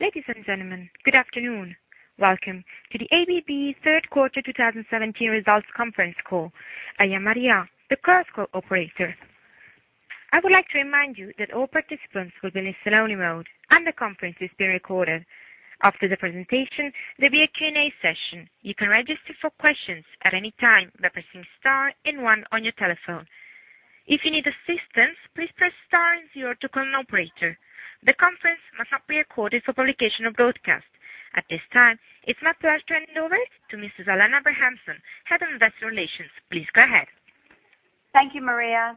Ladies and gentlemen, good afternoon. Welcome to the ABB third quarter 2017 results conference call. I am Maria, the current call operator. I would like to remind you that all participants will be in listen-only mode, and the conference is being recorded. After the presentation, there will be a Q&A session. You can register for questions at any time by pressing star and one on your telephone. If you need assistance, please press star and zero to connect with an operator. The conference must not be recorded for publication or broadcast. At this time, it's my pleasure to hand over to Mrs. Alanna Abrahamson, Head of Investor Relations. Please go ahead. Thank you, Maria.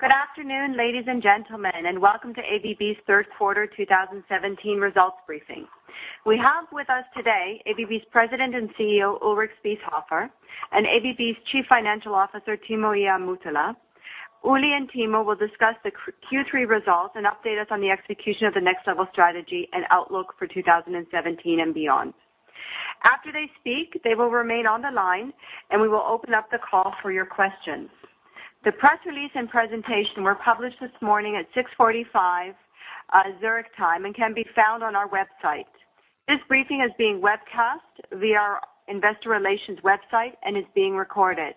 Good afternoon, ladies and gentlemen, welcome to ABB's third quarter 2017 results briefing. We have with us today ABB's President and CEO, Ulrich Spiesshofer, and ABB's Chief Financial Officer, Timo Ihamuotila. Uli and Timo will discuss the Q3 results and update us on the execution of the Next Level strategy and outlook for 2017 and beyond. After they speak, they will remain on the line, and we will open up the call for your questions. The press release and presentation were published this morning at 6:45 Zurich time and can be found on our website. This briefing is being webcast via our investor relations website and is being recorded.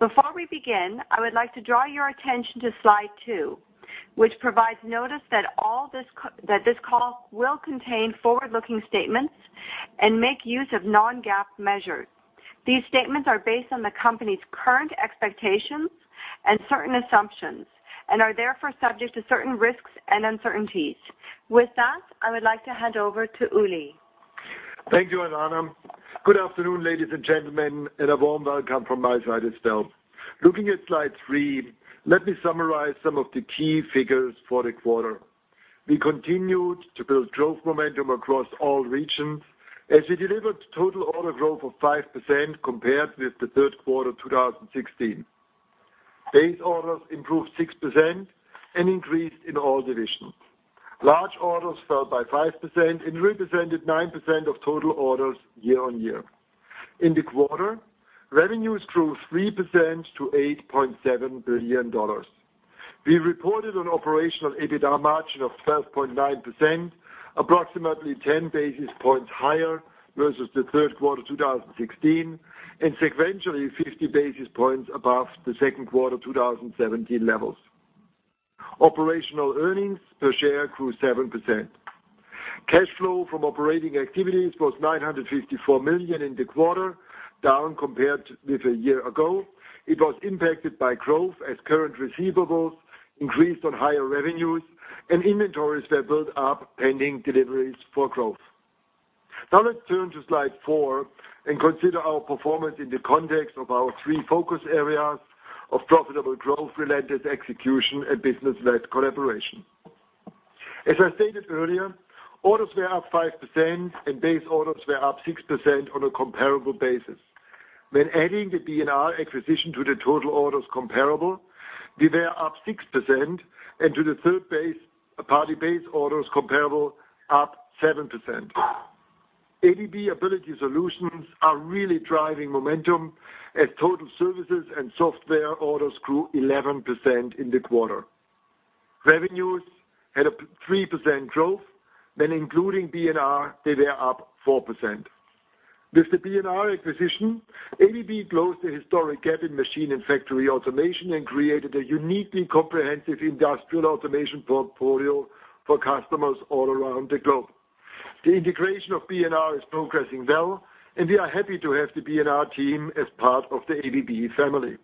Before we begin, I would like to draw your attention to slide two, which provides notice that this call will contain forward-looking statements and make use of non-GAAP measures. These statements are based on the company's current expectations and certain assumptions and are therefore subject to certain risks and uncertainties. With that, I would like to hand over to Uli. Thank you, Alanna. Good afternoon, ladies and gentlemen, a warm welcome from my side as well. Looking at slide three, let me summarize some of the key figures for the quarter. We continued to build growth momentum across all regions as we delivered total order growth of 5% compared with the third quarter 2016. Base orders improved 6% and increased in all divisions. Large orders fell by 5% and represented 9% of total orders year-on-year. In the quarter, revenues grew 3% to $8.7 billion. We reported an Operational EBITDA margin of 12.9%, approximately 10 basis points higher versus the third quarter 2016, and sequentially 50 basis points above the second quarter 2017 levels. Operational earnings per share grew 7%. Cash flow from operating activities was $954 million in the quarter, down compared with a year ago. It was impacted by growth as current receivables increased on higher revenues and inventories were built up pending deliveries for growth. Now let's turn to slide four and consider our performance in the context of our three focus areas of profitable growth, relentless execution, and business-led collaboration. As I stated earlier, orders were up 5% and base orders were up 6% on a comparable basis. When adding the B&R acquisition to the total orders comparable, we were up 6% and to the third-party base orders comparable, up 7%. ABB Ability solutions are really driving momentum as total services and software orders grew 11% in the quarter. Revenues had a 3% growth. When including B&R, they were up 4%. With the B&R acquisition, ABB closed a historic gap in machine and factory automation and created a uniquely comprehensive Industrial Automation portfolio for customers all around the globe. The integration of B&R is progressing well, and we are happy to have the B&R team as part of the ABB family.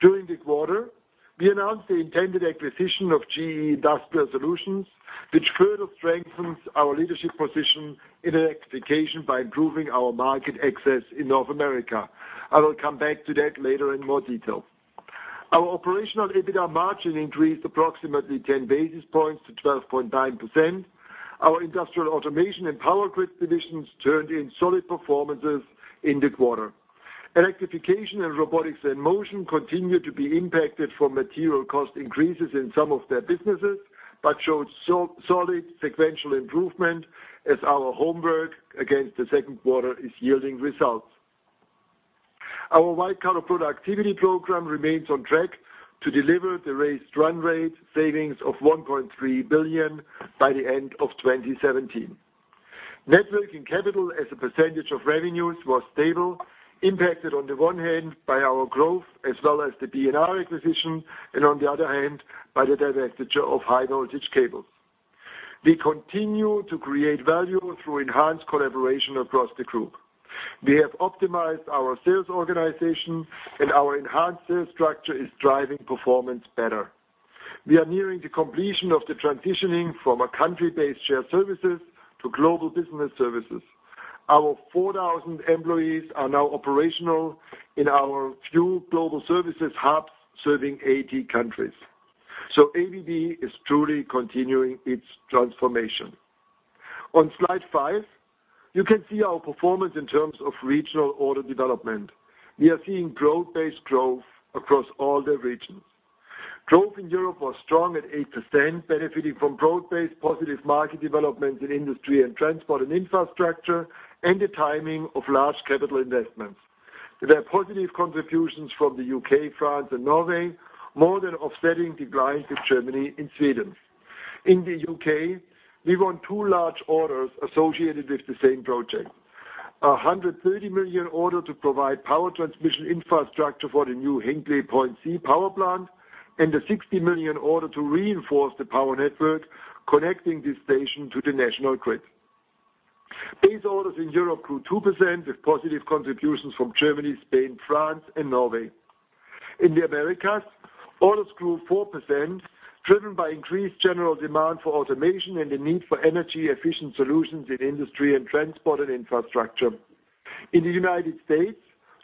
During the quarter, we announced the intended acquisition of GE Industrial Solutions, which further strengthens our leadership position in Electrification by improving our market access in North America. I will come back to that later in more detail. Our Operational EBITDA margin increased approximately 10 basis points to 12.9%. Our Industrial Automation and Power Grids divisions turned in solid performances in the quarter. Electrification and Robotics and Motion continued to be impacted from material cost increases in some of their businesses but showed solid sequential improvement as our homework against the second quarter is yielding results. Our productivity program remains on track to deliver the raised run rate savings of $1.3 billion by the end of 2017. Net working capital as a percentage of revenues was stable, impacted on the one hand by our growth as well as the B&R acquisition and on the other hand by the divestiture of high voltage cables. We continue to create value through enhanced collaboration across the group. We have optimized our sales organization, and our enhanced sales structure is driving performance better. We are nearing the completion of the transitioning from a country-based shared services to Global Business Services. Our 4,000 employees are now operational in our few global services hubs serving 80 countries. ABB is truly continuing its transformation. On slide five, you can see our performance in terms of regional order development. We are seeing growth-based growth across all the regions. Growth in Europe was strong at 8%, benefiting from broad-based positive market developments in industry and transport and infrastructure, and the timing of large capital investments. There were positive contributions from the U.K., France, and Norway, more than offsetting declines in Germany and Sweden. In the U.K., we won two large orders associated with the same project. A $130 million order to provide power transmission infrastructure for the new Hinkley Point C power plant, and a $60 million order to reinforce the power network connecting this station to the national grid. Base orders in Europe grew 2% with positive contributions from Germany, Spain, France, and Norway. In the Americas, orders grew 4%, driven by increased general demand for automation and the need for energy-efficient solutions in industry and transport, and infrastructure. In the United States,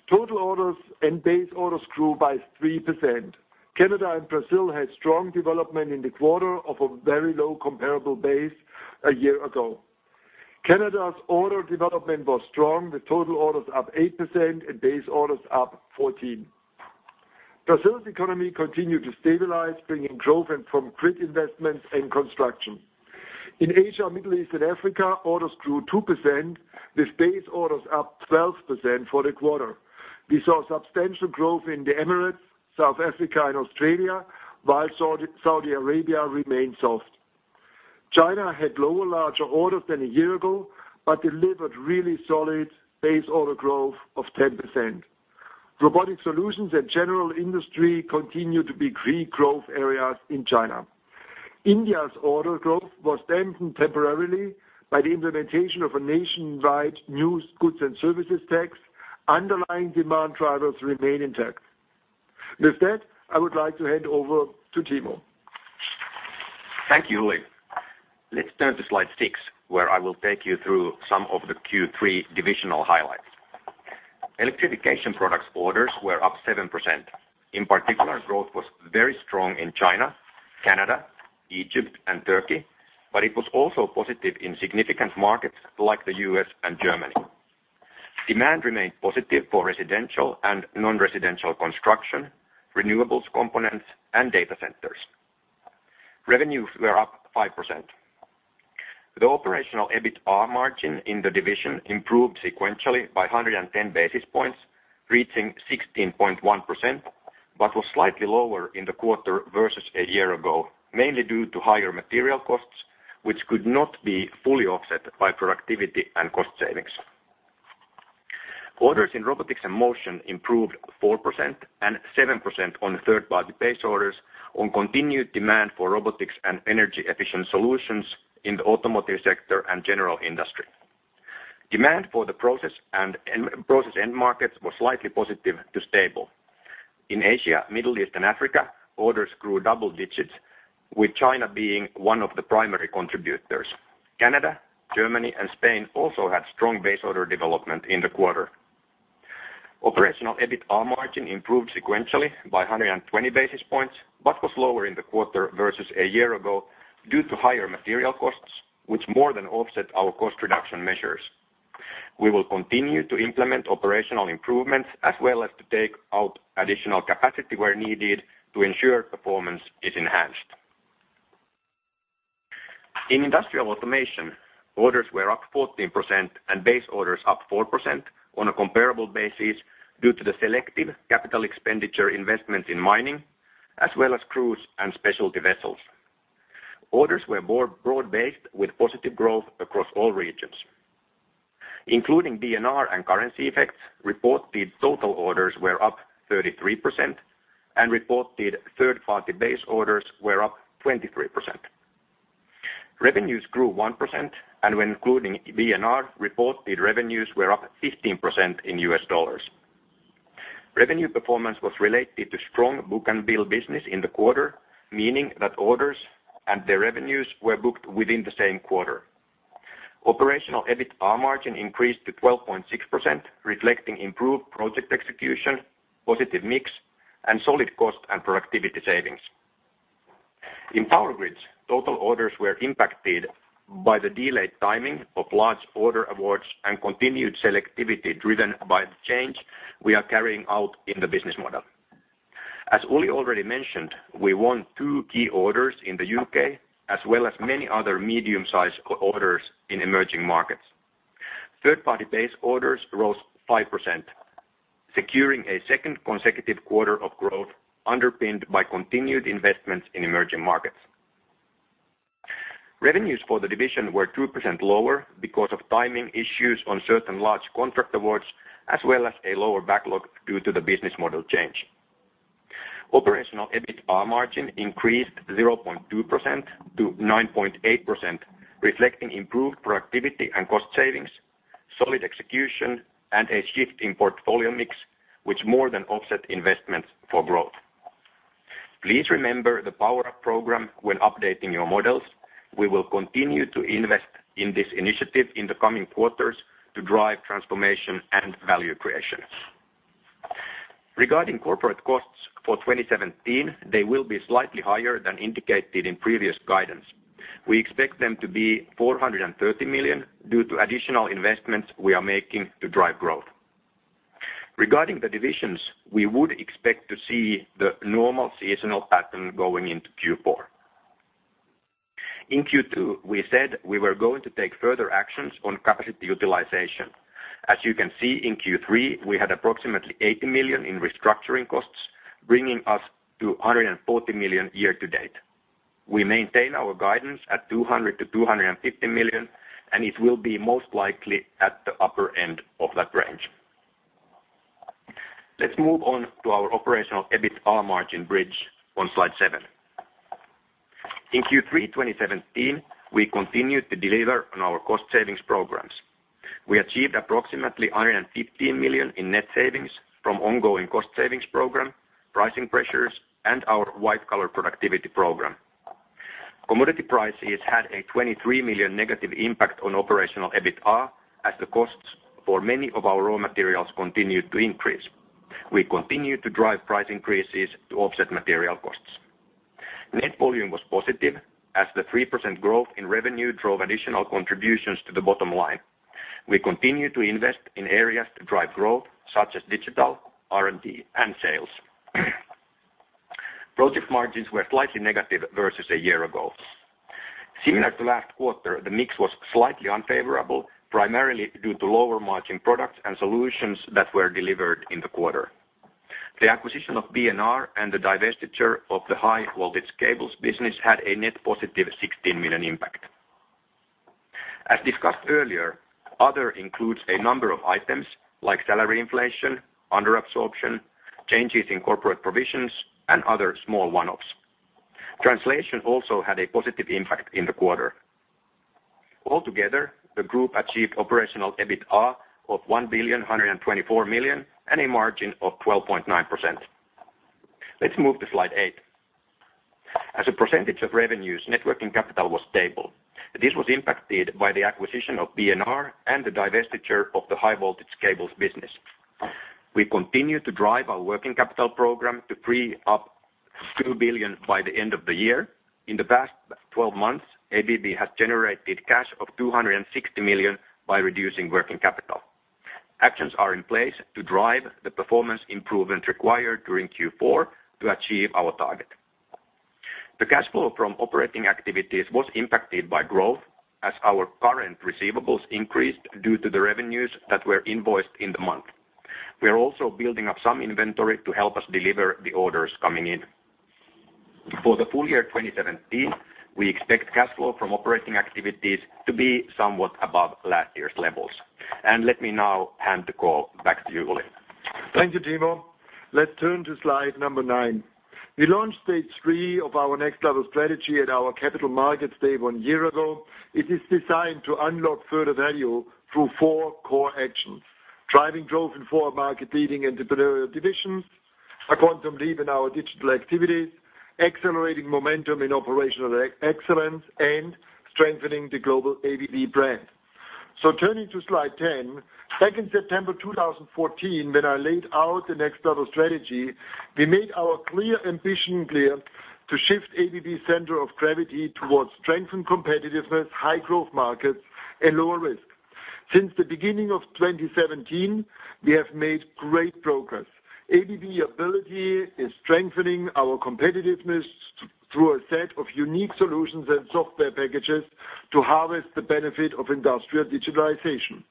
total orders and base orders grew by 3%. Canada and Brazil had strong development in the quarter of a very low comparable base a year ago. Canada's order development was strong, with total orders up 8% and base orders up 14%. Brazil's economy continued to stabilize, bringing growth in from grid investments and construction. In Asia, Middle East, and Africa, orders grew 2%, with base orders up 12% for the quarter. We saw substantial growth in the Emirates, South Africa and Australia, while Saudi Arabia remained soft. China had lower larger orders than a year ago, delivered really solid base order growth of 10%. Robotic solutions and general industry continue to be key growth areas in China. India's order growth was dampened temporarily by the implementation of a nationwide new Goods and Services Tax. Underlying demand drivers remain intact. With that, I would like to hand over to Timo. Thank you, Uli. Let's turn to slide six, where I will take you through some of the Q3 divisional highlights. Electrification Products orders were up 7%. In particular, growth was very strong in China, Canada, Egypt, and Turkey, it was also positive in significant markets like the U.S. and Germany. Demand remained positive for residential and non-residential construction, renewables components, and data centers. Revenues were up 5%. The operational EBITA margin in the division improved sequentially by 110 basis points, reaching 16.1%, was slightly lower in the quarter versus a year ago, mainly due to higher material costs, which could not be fully offset by productivity and cost savings. Orders in Robotics and Motion improved 4% and 7% on third-party base orders on continued demand for robotics and energy-efficient solutions in the automotive sector and general industry. Demand for the process and process end markets was slightly positive to stable. In Asia, Middle East, and Africa, orders grew double digits, with China being one of the primary contributors. Canada, Germany, and Spain also had strong base order development in the quarter. Operational EBITA margin improved sequentially by 120 basis points, was lower in the quarter versus a year ago due to higher material costs, which more than offset our cost reduction measures. We will continue to implement operational improvements as well as to take out additional capacity where needed to ensure performance is enhanced. In Industrial Automation, orders were up 14% and base orders up 4% on a comparable basis due to the selective capital expenditure investments in mining, as well as cruise and specialty vessels. Orders were more broad-based, with positive growth across all regions. Including B&R and currency effects, reported total orders were up 33%, and reported third-party base orders were up 23%. Revenues grew 1%, when including B&R, reported revenues were up 15% in U.S. dollars. Revenue performance was related to strong book-and-bill business in the quarter, meaning that orders and their revenues were booked within the same quarter. Operational EBITA margin increased to 12.6%, reflecting improved project execution, positive mix, and solid cost and productivity savings. In Power Grids, total orders were impacted by the delayed timing of large order awards and continued selectivity driven by the change we are carrying out in the business model. As Uli already mentioned, we won two key orders in the U.K., as well as many other medium-sized orders in emerging markets. Third-party base orders rose 5%, securing a second consecutive quarter of growth underpinned by continued investments in emerging markets. Revenues for the division were 2% lower because of timing issues on certain large contract awards, as well as a lower backlog due to the business model change. Operational EBITA margin increased 0.2% to 9.8%, reflecting improved productivity and cost savings, solid execution, and a shift in portfolio mix, which more than offset investments for growth. Please remember the Power Up program when updating your models. We will continue to invest in this initiative in the coming quarters to drive transformation and value creation. Regarding corporate costs for 2017, they will be slightly higher than indicated in previous guidance. We expect them to be $430 million due to additional investments we are making to drive growth. Regarding the divisions, we would expect to see the normal seasonal pattern going into Q4. In Q2, we said we were going to take further actions on capacity utilization. As you can see, in Q3, we had approximately $80 million in restructuring costs, bringing us to $140 million year to date. We maintain our guidance at $200 million to $250 million, and it will be most likely at the upper end of that range. Let's move on to our operational EBITA margin bridge on slide seven. In Q3 2017, we continued to deliver on our cost savings programs. We achieved approximately $115 million in net savings from ongoing cost savings program, pricing pressures, and our white-collar productivity program. Commodity prices had a $23 million negative impact on operational EBITA, as the costs for many of our raw materials continued to increase. We continued to drive price increases to offset material costs. Net volume was positive, as the 3% growth in revenue drove additional contributions to the bottom line. We continue to invest in areas to drive growth such as digital, R&D, and sales. Project margins were slightly negative versus a year ago. Similar to last quarter, the mix was slightly unfavorable, primarily due to lower margin products and solutions that were delivered in the quarter. The acquisition of B&R and the divestiture of the high-voltage cables business had a net positive $16 million impact. As discussed earlier, other includes a number of items like salary inflation, under absorption, changes in corporate provisions, and other small one-offs. Translation also had a positive impact in the quarter. Altogether, the group achieved operational EBITA of $1,124 million and a margin of 12.9%. Let's move to slide eight. As a percentage of revenues, net working capital was stable. This was impacted by the acquisition of B&R and the divestiture of the high-voltage cables business. We continue to drive our working capital program to free up $2 billion by the end of the year. In the past 12 months, ABB has generated cash of $260 million by reducing working capital. Actions are in place to drive the performance improvement required during Q4 to achieve our target. The cash flow from operating activities was impacted by growth as our current receivables increased due to the revenues that were invoiced in the month. We are also building up some inventory to help us deliver the orders coming in. For the full year 2017, we expect cash flow from operating activities to be somewhat above last year's levels. Let me now hand the call back to you, Ulrich. Thank you, Timo. Let's turn to slide number nine. We launched stage 3 of our Next Level strategy at our capital markets day one year ago. It is designed to unlock further value through four core actions: driving growth in four market-leading entrepreneurial divisions, a quantum leap in our digital activities, accelerating momentum in operational excellence, and strengthening the global ABB brand. Turning to slide 10, back in September 2014, when I laid out the Next Level strategy, we made our clear ambition clear to shift ABB center of gravity towards strengthened competitiveness, high growth markets, and lower risk. Since the beginning of 2017, we have made great progress. ABB Ability is strengthening our competitiveness through a set of unique solutions and software packages to harvest the benefit of industrial digitalization.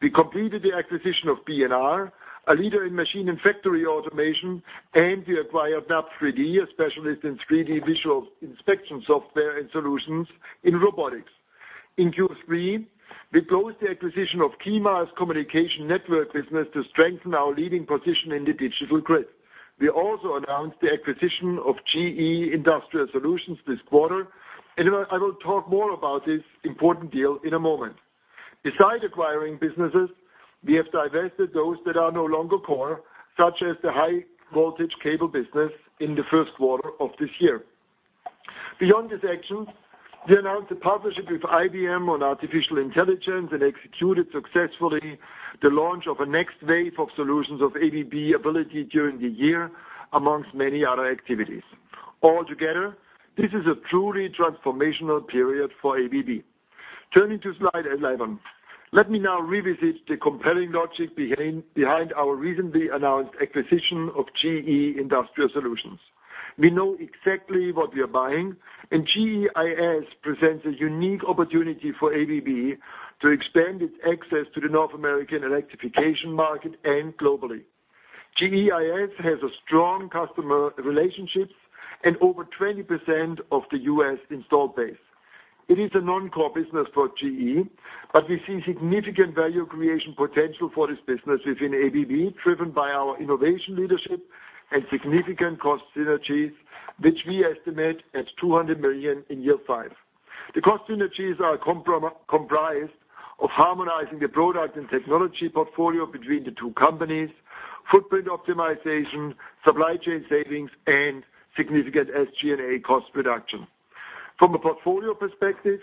We completed the acquisition of B&R, a leader in machine and factory automation, and we acquired NUB3D, a specialist in 3D visual inspection software and solutions in robotics. In Q3, we closed the acquisition of KEYMILE's communication network business to strengthen our leading position in the digital grid. We also announced the acquisition of GE Industrial Solutions this quarter. I will talk more about this important deal in a moment. Besides acquiring businesses, we have divested those that are no longer core, such as the high-voltage cable business in the first quarter of this year. Beyond these actions, we announced a partnership with IBM on artificial intelligence and executed successfully the launch of a next wave of solutions of ABB Ability during the year, amongst many other activities. Altogether, this is a truly transformational period for ABB. Turning to slide 11. Let me now revisit the compelling logic behind our recently announced acquisition of GE Industrial Solutions. We know exactly what we are buying. GEIS presents a unique opportunity for ABB to expand its access to the North American electrification market and globally. GEIS has strong customer relationships and over 20% of the U.S. installed base. It is a non-core business for GE. We see significant value creation potential for this business within ABB, driven by our innovation leadership and significant cost synergies, which we estimate at $200 million in year five. The cost synergies are comprised of harmonizing the product and technology portfolio between the two companies, footprint optimization, supply chain savings, and significant SG&A cost reduction. From a portfolio perspective,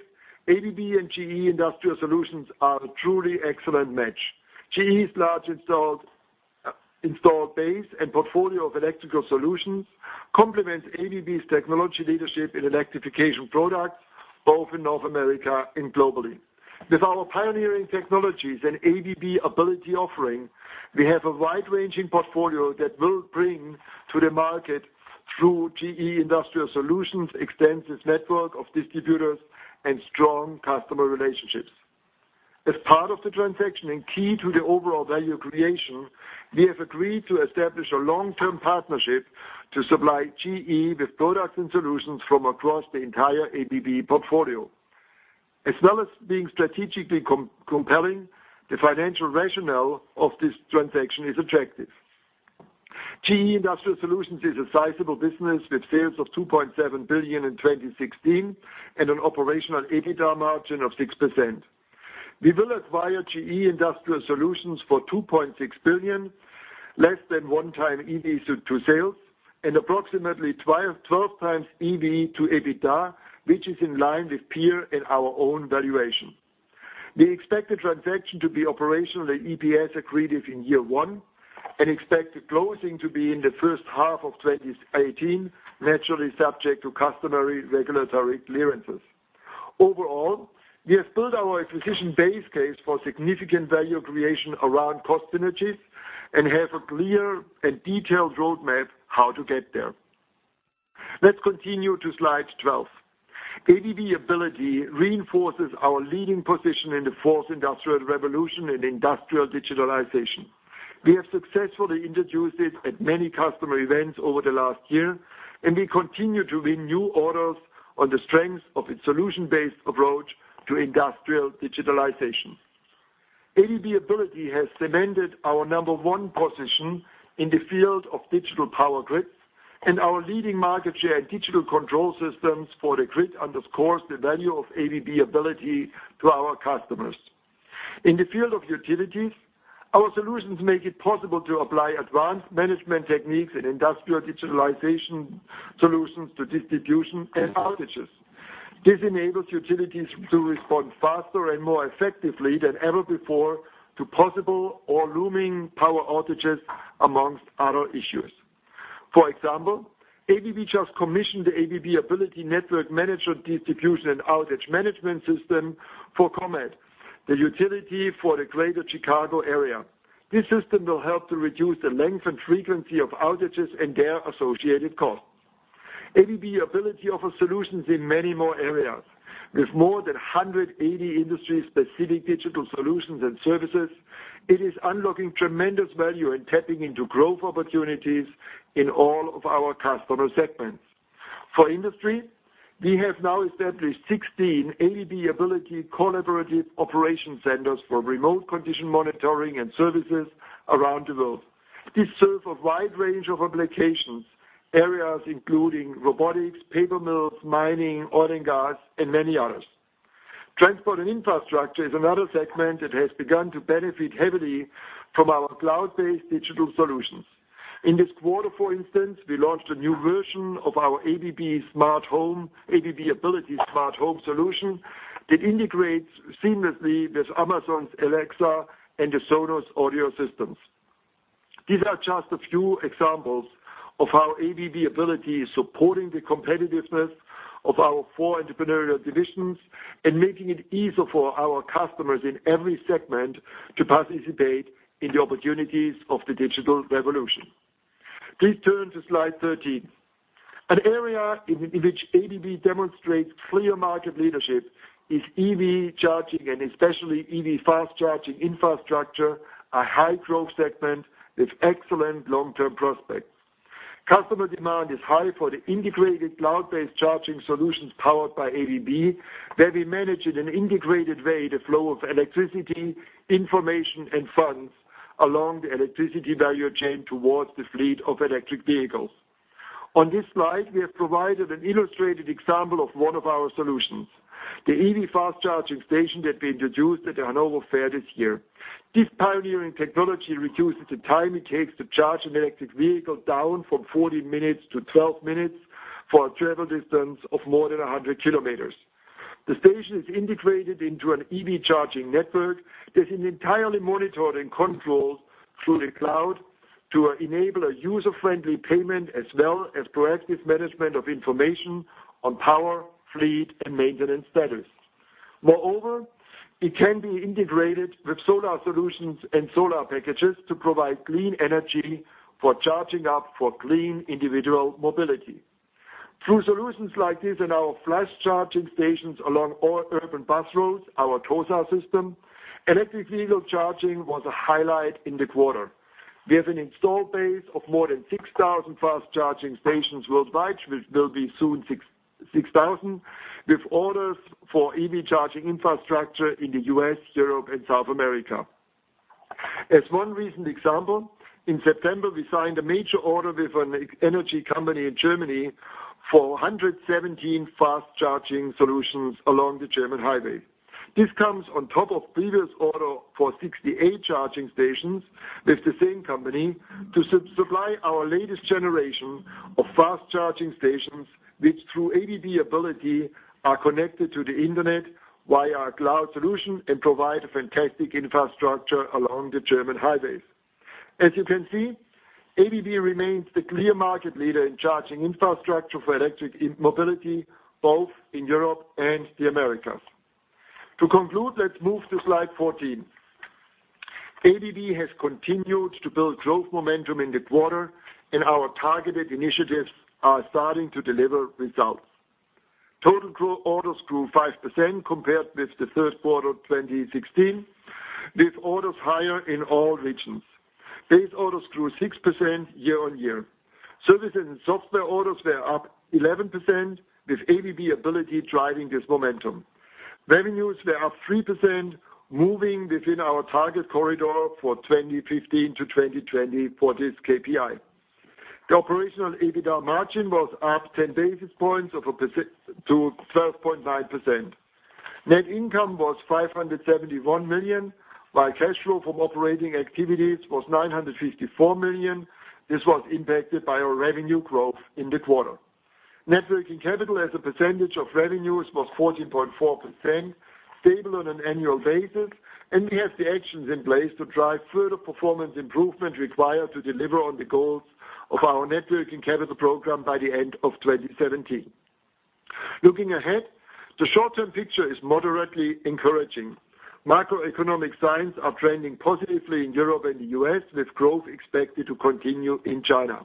ABB and GE Industrial Solutions are a truly excellent match. GE's large installed base and portfolio of electrical solutions complements ABB's technology leadership in Electrification Products. Both in North America and globally. With our pioneering technologies and ABB Ability offering, we have a wide-ranging portfolio that we'll bring to the market through GE Industrial Solutions' extensive network of distributors and strong customer relationships. As part of the transaction and key to the overall value creation, we have agreed to establish a long-term partnership to supply GE with products and solutions from across the entire ABB portfolio. As well as being strategically compelling, the financial rationale of this transaction is attractive. GE Industrial Solutions is a sizable business with sales of $2.7 billion in 2016 and an operational EBITDA margin of 6%. We will acquire GE Industrial Solutions for $2.6 billion, less than one time EB to sales, approximately 12 times EB to EBITDA, which is in line with peer and our own valuation. We expect the transaction to be operationally EPS accretive in year one, and expect the closing to be in the first half of 2018, naturally subject to customary regulatory clearances. Overall, we have built our acquisition base case for significant value creation around cost synergies and have a clear and detailed roadmap how to get there. Let's continue to slide 12. ABB Ability reinforces our leading position in the fourth industrial revolution in industrial digitalization. We have successfully introduced it at many customer events over the last year, and we continue to win new orders on the strength of its solution-based approach to industrial digitalization. ABB Ability has cemented our number one position in the field of digital Power Grids, and our leading market share in digital control systems for the grid underscores the value of ABB Ability to our customers. In the field of utilities, our solutions make it possible to apply advanced management techniques and industrial digitalization solutions to distribution and outages. This enables utilities to respond faster and more effectively than ever before to possible or looming power outages, amongst other issues. For example, ABB just commissioned the ABB Ability Network Manager distribution and outage management system for ComEd, the utility for the greater Chicago area. This system will help to reduce the length and frequency of outages and their associated costs. ABB Ability offers solutions in many more areas. With more than 180 industry-specific digital solutions and services, it is unlocking tremendous value and tapping into growth opportunities in all of our customer segments. For industry, we have now established 16 ABB Ability collaborative operation centers for remote condition monitoring and services around the world. These serve a wide range of applications, areas including robotics, paper mills, mining, oil and gas, and many others. Transport and infrastructure is another segment that has begun to benefit heavily from our cloud-based digital solutions. In this quarter, for instance, we launched a new version of our ABB Ability Smart Home solution that integrates seamlessly with Amazon's Alexa and the Sonos audio systems. These are just a few examples of how ABB Ability is supporting the competitiveness of our four entrepreneurial divisions and making it easier for our customers in every segment to participate in the opportunities of the digital revolution. Please turn to slide 13. An area in which ABB demonstrates clear market leadership is EV charging, and especially EV fast charging infrastructure, a high-growth segment with excellent long-term prospects. Customer demand is high for the integrated cloud-based charging solutions powered by ABB, where we manage in an integrated way the flow of electricity, information, and funds along the electricity value chain towards the fleet of electric vehicles. On this slide, we have provided an illustrated example of one of our solutions, the EV fast charging station that we introduced at the Hanover Fair this year. This pioneering technology reduces the time it takes to charge an electric vehicle down from 40 minutes to 12 minutes for a travel distance of more than 100 km. The station is integrated into an EV charging network that is entirely monitored and controlled through the cloud to enable a user-friendly payment as well as proactive management of information on power, fleet, and maintenance status. Moreover, it can be integrated with solar solutions and solar packages to provide clean energy for charging up for clean individual mobility. Through solutions like this and our flash charging stations along all urban bus routes, our TOSA system, electric vehicle charging was a highlight in the quarter. We have an install base of more than 6,000 fast-charging stations worldwide, which will be soon 6,000, with orders for EV charging infrastructure in the U.S., Europe, and South America. As one recent example, in September, we signed a major order with an energy company in Germany for 117 fast charging solutions along the German highway. This comes on top of previous order for 68 charging stations with the same company to supply our latest generation of fast charging stations, which through ABB Ability are connected to the internet via our cloud solution and provide a fantastic infrastructure along the German highways. As you can see, ABB remains the clear market leader in charging infrastructure for electric mobility, both in Europe and the Americas. To conclude, let's move to slide 14. ABB has continued to build growth momentum in the quarter, and our targeted initiatives are starting to deliver results. Total orders grew 5% compared with the third quarter of 2016, with orders higher in all regions. Base orders grew 6% year-on-year. Services and software orders were up 11%, with ABB Ability driving this momentum. Revenues were up 3%, moving within our target corridor for 2015 to 2020 for this KPI. The Operational EBITDA margin was up 10 basis points to 12.9%. Net income was $571 million, while cash flow from operating activities was $954 million. This was impacted by our revenue growth in the quarter. Net working capital as a percentage of revenues was 14.4%, stable on an annual basis, and we have the actions in place to drive further performance improvement required to deliver on the goals of our net working capital program by the end of 2017. Looking ahead, the short-term picture is moderately encouraging. Macroeconomic signs are trending positively in Europe and the U.S., with growth expected to continue in China.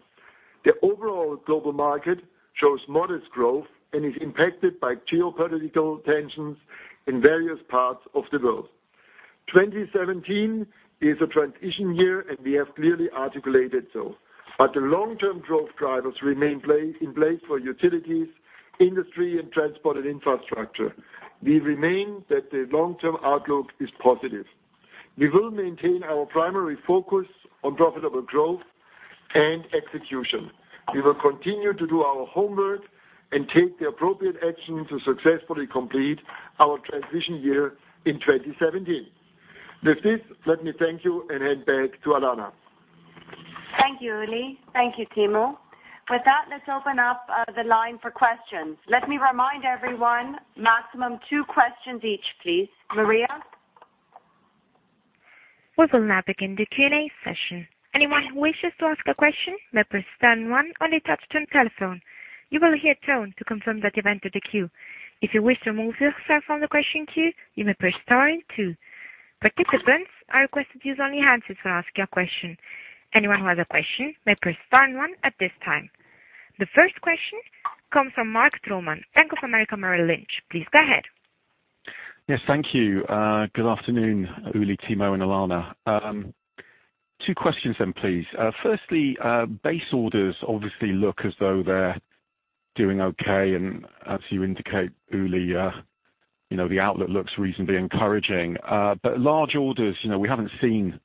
The overall global market shows modest growth and is impacted by geopolitical tensions in various parts of the world. 2017 is a transition year, and we have clearly articulated so. The long-term growth drivers remain in place for utilities, industry, and transport, and infrastructure. We remain that the long-term outlook is positive. We will maintain our primary focus on profitable growth and execution. We will continue to do our homework and take the appropriate action to successfully complete our transition year in 2017. With this, let me thank you and hand back to Alanna. Thank you, Uli. Thank you, Timo. With that, let's open up the line for questions. Let me remind everyone, maximum two questions each, please. Maria? We will now begin the Q&A session. Anyone who wishes to ask a question may press star one on your touchtone telephone. You will hear a tone to confirm that you've entered the queue. If you wish to remove yourself from the question queue, you may press star and two. Participants are requested to use only handsets when asking a question. Anyone who has a question may press star and one at this time. The first question comes from Mark Troman, Bank of America Merrill Lynch. Please go ahead. Yes, thank you. Good afternoon, Uli, Timo, and Alanna. Two questions, please. Firstly, base orders obviously look as though they're doing okay, as you indicate, Uli, the outlet looks reasonably encouraging. Large orders, we haven't seen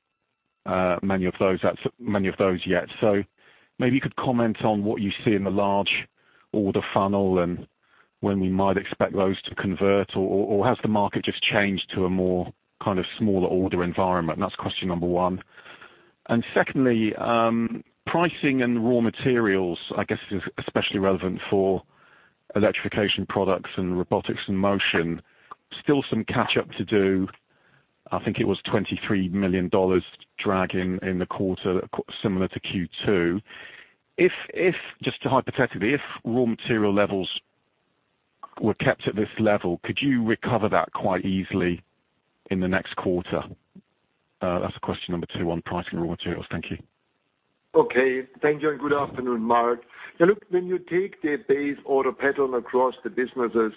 many of those yet. Maybe you could comment on what you see in the large order funnel and when we might expect those to convert, or has the market just changed to a more kind of smaller order environment? That's question number one. Secondly, pricing and raw materials, I guess is especially relevant for Electrification Products and Robotics and Motion. Still some catch up to do. I think it was $23 million dragging in the quarter similar to Q2. Just hypothetically, if raw material levels were kept at this level, could you recover that quite easily in the next quarter? That's question number two on pricing raw materials. Thank you. Okay. Thank you and good afternoon, Mark. Look, when you take the base order pattern across the businesses,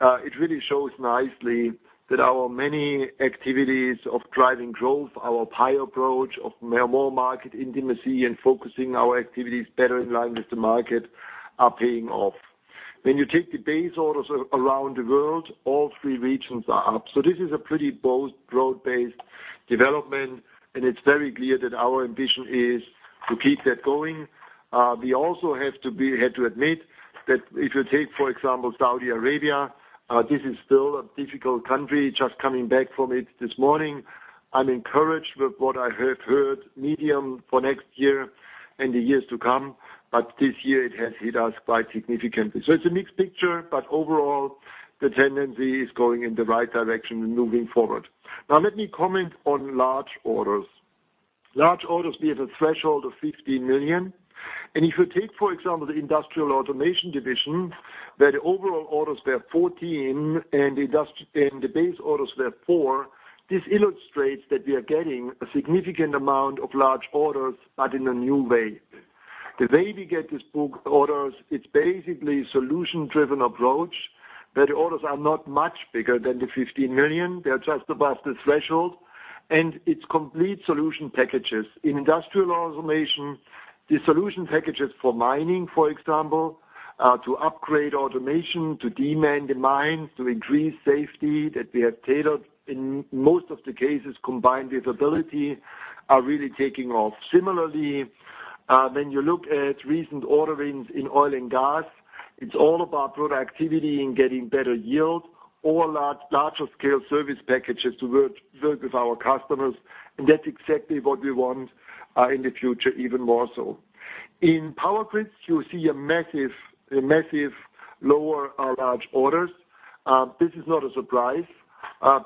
it really shows nicely that our many activities of driving growth, our pie approach of more market intimacy and focusing our activities better in line with the market are paying off. When you take the base orders around the world, all three regions are up. This is a pretty broad-based development, and it's very clear that our ambition is to keep that going. We also have to admit that if you take, for example, Saudi Arabia, this is still a difficult country, just coming back from it this morning. I'm encouraged with what I have heard, medium for next year and the years to come, but this year it has hit us quite significantly. It's a mixed picture, but overall, the tendency is going in the right direction and moving forward. Now let me comment on large orders. Large orders be at a threshold of $15 million. If you take, for example, the Industrial Automation division, where the overall orders were 14 and the base orders were four, this illustrates that we are getting a significant amount of large orders, but in a new way. The way we get this book orders, it's basically solution-driven approach, where the orders are not much bigger than the $15 million. They're just above the threshold, and it's complete solution packages. In Industrial Automation, the solution packages for mining, for example, to upgrade automation, to man the mines, to increase safety that we have tailored in most of the cases combined with Ability, are really taking off. Similarly, when you look at recent orderings in oil and gas, it's all about productivity and getting better yield or larger scale service packages to work with our customers, and that's exactly what we want in the future, even more so. In Power Grids, you see a massive lower large orders. This is not a surprise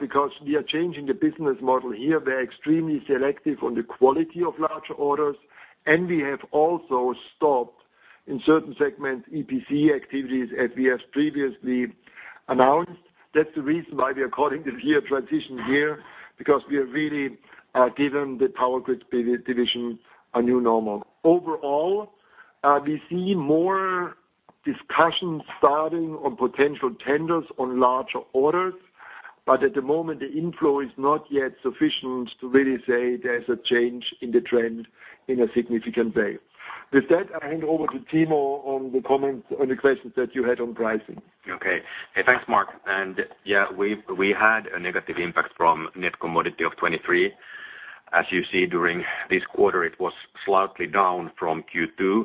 because we are changing the business model here. We're extremely selective on the quality of larger orders, and we have also stopped in certain segments, EPC activities as we have previously announced. That's the reason why we are calling this year transition year, because we are really giving the Power Grids division a new normal. Overall, we see more discussions starting on potential tenders on larger orders, but at the moment the inflow is not yet sufficient to really say there's a change in the trend in a significant way. With that, I hand over to Timo on the questions that you had on pricing. Okay. Thanks, Mark. Yeah, we had a negative impact from net commodity of $23. As you see during this quarter, it was slightly down from Q2.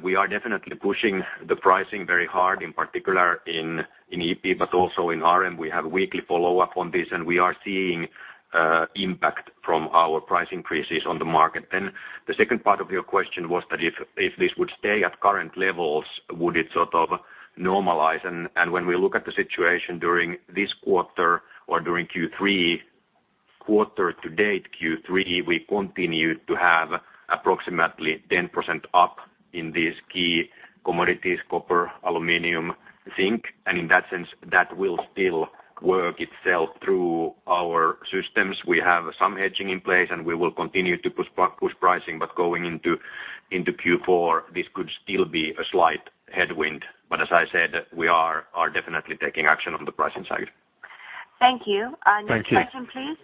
We are definitely pushing the pricing very hard, in particular in EP, but also in RM. We have weekly follow-up on this, and we are seeing impact from our price increases on the market. The second part of your question was that if this would stay at current levels, would it sort of normalize? When we look at the situation during this quarter or during Q3 quarter to date, Q3, we continue to have approximately 10% up in these key commodities, copper, aluminum, zinc. In that sense, that will still work itself through our systems. We have some hedging in place. We will continue to push pricing. Going into Q4, this could still be a slight headwind. As I said, we are definitely taking action on the pricing side. Thank you. Thank you. Next question, please.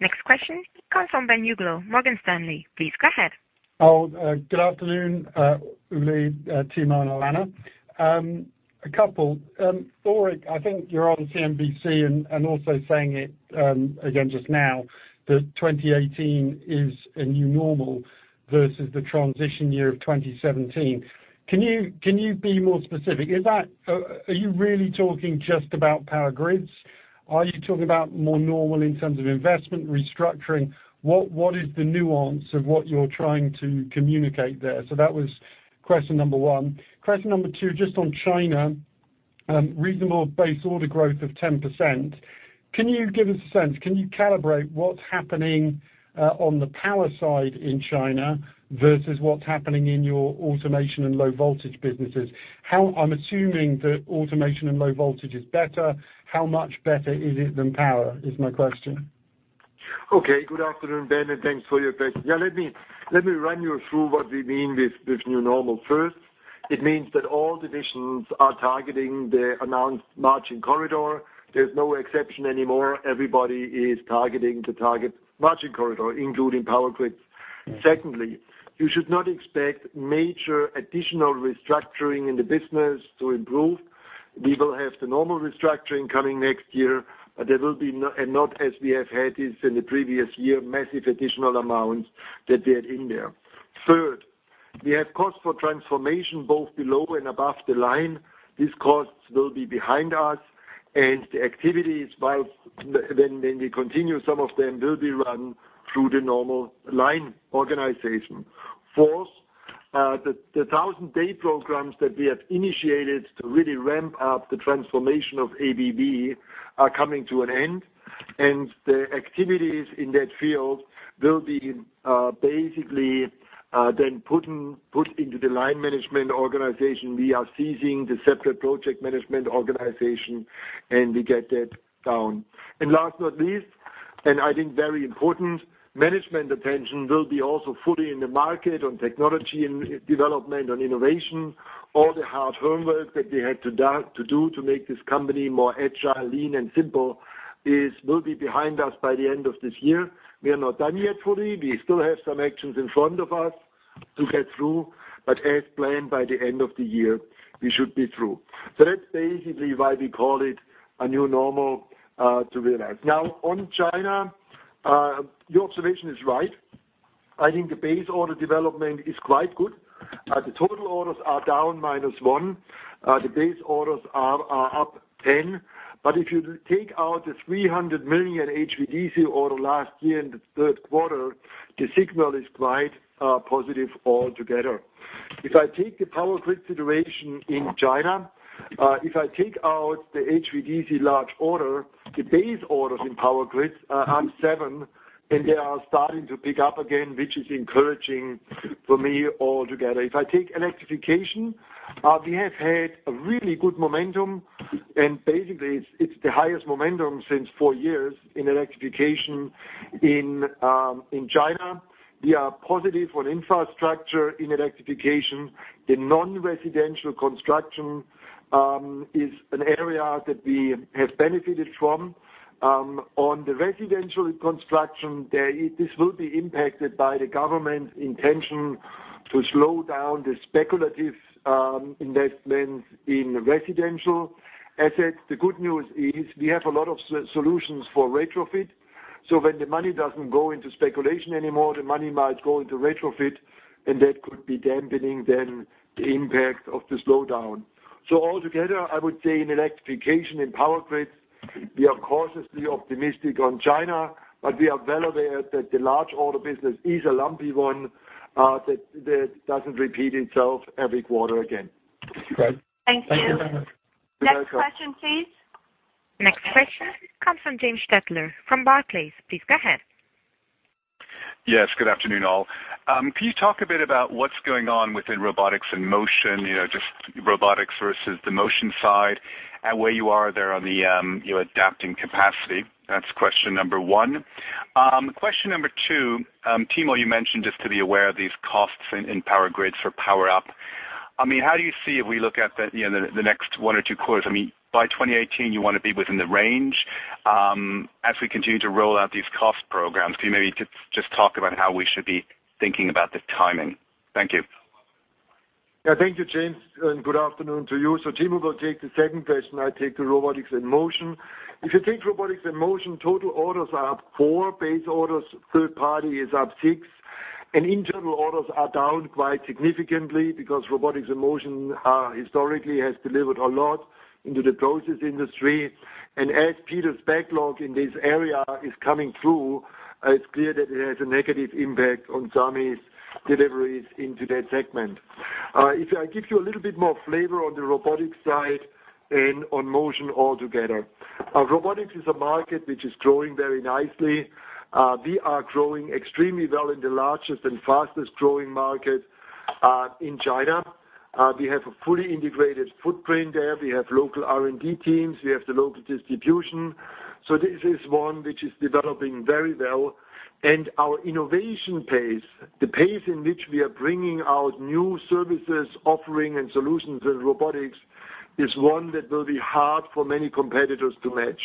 Next question comes from Ben Uglow, Morgan Stanley. Please go ahead. Oh, good afternoon, Uli, Timo, and Alanna. A couple. Ulrich, I think you're on CNBC and also saying it again just now, that 2018 is a new normal versus the transition year of 2017. Can you be more specific? Are you really talking just about Power Grids? Are you talking about more normal in terms of investment restructuring? What is the nuance of what you're trying to communicate there? That was question number one. Question number two, just on China, reasonable base orders growth of 10%. Can you give us a sense, can you calibrate what's happening on the power side in China versus what's happening in your automation and low voltage businesses? I'm assuming that automation and low voltage is better. How much better is it than power, is my question? Okay. Good afternoon, Ben, and thanks for your question. Let me run you through what we mean with new normal first. It means that all divisions are targeting the announced margin corridor. There's no exception anymore. Everybody is targeting the target margin corridor, including Power Grids. Secondly, you should not expect major additional restructuring in the business to improve. We will have the normal restructuring coming next year, not as we have had it in the previous year, massive additional amounts that we had in there. Third, we have cost for transformation both below and above the line. These costs will be behind us, and the activities when we continue, some of them will be run through the normal line organization. Fourth, the 1,000-day programs that we have initiated to really ramp up the transformation of ABB are coming to an end, and the activities in that field will be basically then put into the line management organization. We are ceasing the separate project management organization, and we get that down. Last but not least, and I think very important, management attention will be also fully in the market on technology and development on innovation. All the hard homework that we had to do to make this company more agile, lean, and simple will be behind us by the end of this year. We are not done yet fully. We still have some actions in front of us to get through, but as planned by the end of the year, we should be through. That's basically why we call it a new normal to realize. On China, your observation is right. I think the base order development is quite good. The total orders are down -1%. The base orders are up 10%. If you take out the $300 million HVDC order last year in the third quarter, the signal is quite positive altogether. If I take the Power Grids situation in China, if I take out the HVDC large order, the base orders in Power Grids are up 7%, and they are starting to pick up again, which is encouraging for me altogether. If I take electrification, we have had a really good momentum, and basically, it's the highest momentum since 4 years in electrification in China. We are positive on infrastructure in electrification. The non-residential construction is an area that we have benefited from. On the residential construction, this will be impacted by the government intention to slow down the speculative investments in residential assets. The good news is we have a lot of solutions for retrofit. When the money doesn't go into speculation anymore, the money might go into retrofit, and that could be dampening then the impact of the slowdown. Altogether, I would say in electrification and Power Grids, we are cautiously optimistic on China, but we are well aware that the large order business is a lumpy one that doesn't repeat itself every quarter again. Thank you. Thank you very much. Next question, please. Next question comes from James Stettler from Barclays. Please go ahead. Yes, good afternoon, all. Can you talk a bit about what's going on within Robotics and Motion, just robotics versus the motion side, and where you are there on the adapting capacity? That's question number one. Question number two, Timo, you mentioned just to be aware of these costs in Power Grids for Power Up. How do you see if we look at the next one or two quarters? By 2018, you want to be within the range. As we continue to roll out these cost programs, can you maybe just talk about how we should be thinking about the timing? Thank you. Thank you, James, and good afternoon to you. Timo will take the second question, I'll take the Robotics and Motion. If you take Robotics and Motion, total orders are up four, base orders, third party is up six, and internal orders are down quite significantly because Robotics and Motion historically has delivered a lot into the process industry. As Peter's backlog in this area is coming through, it's clear that it has a negative impact on Sami's deliveries into that segment. If I give you a little bit more flavor on the robotics side and on motion altogether. Robotics is a market which is growing very nicely. We are growing extremely well in the largest and fastest-growing market, in China. We have a fully integrated footprint there. We have local R&D teams. We have the local distribution. This is one which is developing very well. Our innovation pace, the pace in which we are bringing out new services, offering, and solutions in robotics, is one that will be hard for many competitors to match.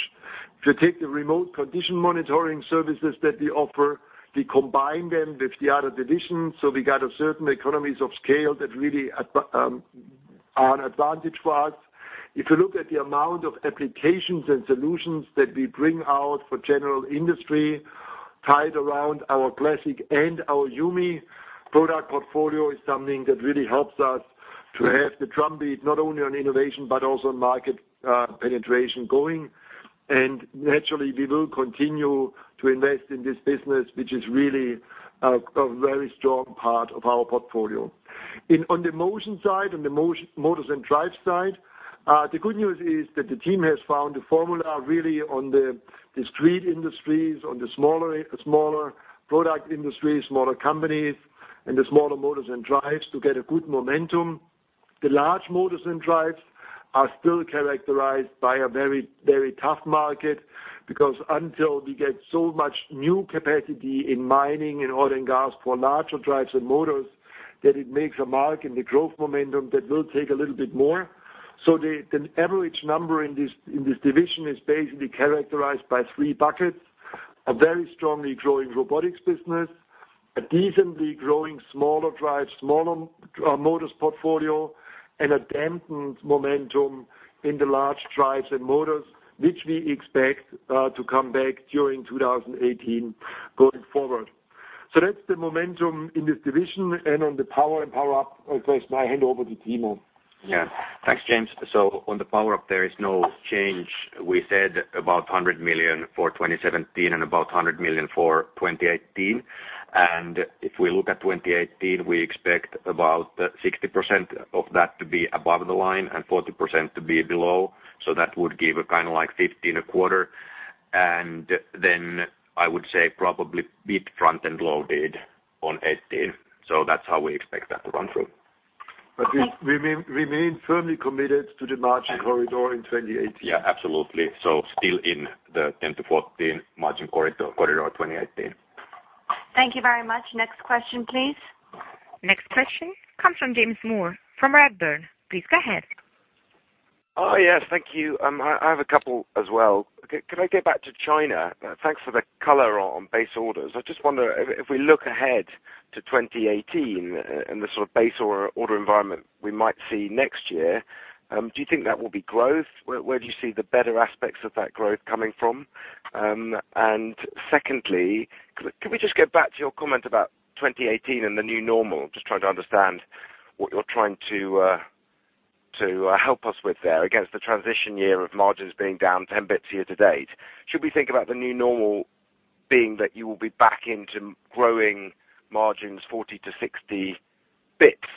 If you take the remote condition monitoring services that we offer, we combine them with the other divisions, we got a certain economies of scale that really are an advantage for us. If you look at the amount of applications and solutions that we bring out for general industry, tied around our classic and our YuMi product portfolio is something that really helps us to have the drumbeat, not only on innovation but also on market penetration going. Naturally, we will continue to invest in this business, which is really a very strong part of our portfolio. On the motion side, on the motors and drives side, the good news is that the team has found a formula, really on the discrete industries, on the smaller product industries, smaller companies, and the smaller motors and drives to get a good momentum. The large motors and drives are still characterized by a very tough market, because until we get so much new capacity in mining and oil and gas for larger drives and motors, that it makes a mark in the growth momentum, that will take a little bit more. The average number in this division is basically characterized by three buckets, a very strongly growing robotics business, a decently growing smaller drives, smaller motors portfolio, and a dampened momentum in the large drives and motors, which we expect to come back during 2018 going forward. That's the momentum in this division. On the power and Power Up, I'll pass my hand over to Timo. Yeah. Thanks, James. On the Power Up, there is no change. We said about $100 million for 2017 and about $100 million for 2018. If we look at 2018, we expect about 60% of that to be above the line and 40% to be below. That would give a kind of like $15 a quarter. Then I would say probably bit front-end loaded on 2018. That's how we expect that to run through. Okay. We remain firmly committed to the margin corridor in 2018. Yeah, absolutely. Still in the 10-14 margin corridor 2018. Thank you very much. Next question, please. Next question comes from James Moore from Redburn. Please go ahead. Oh, yes. Thank you. I have a couple as well. Could I get back to China? Thanks for the color on base orders. I just wonder if we look ahead to 2018 and the sort of base order environment we might see next year, do you think that will be growth? Where do you see the better aspects of that growth coming from? Secondly, can we just get back to your comment about 2018 and the new normal? Just trying to understand what you're trying to help us with there against the transition year of margins being down 10 basis points year to date. Should we think about the new normal being that you will be back into growing margins 40 to 60 basis points,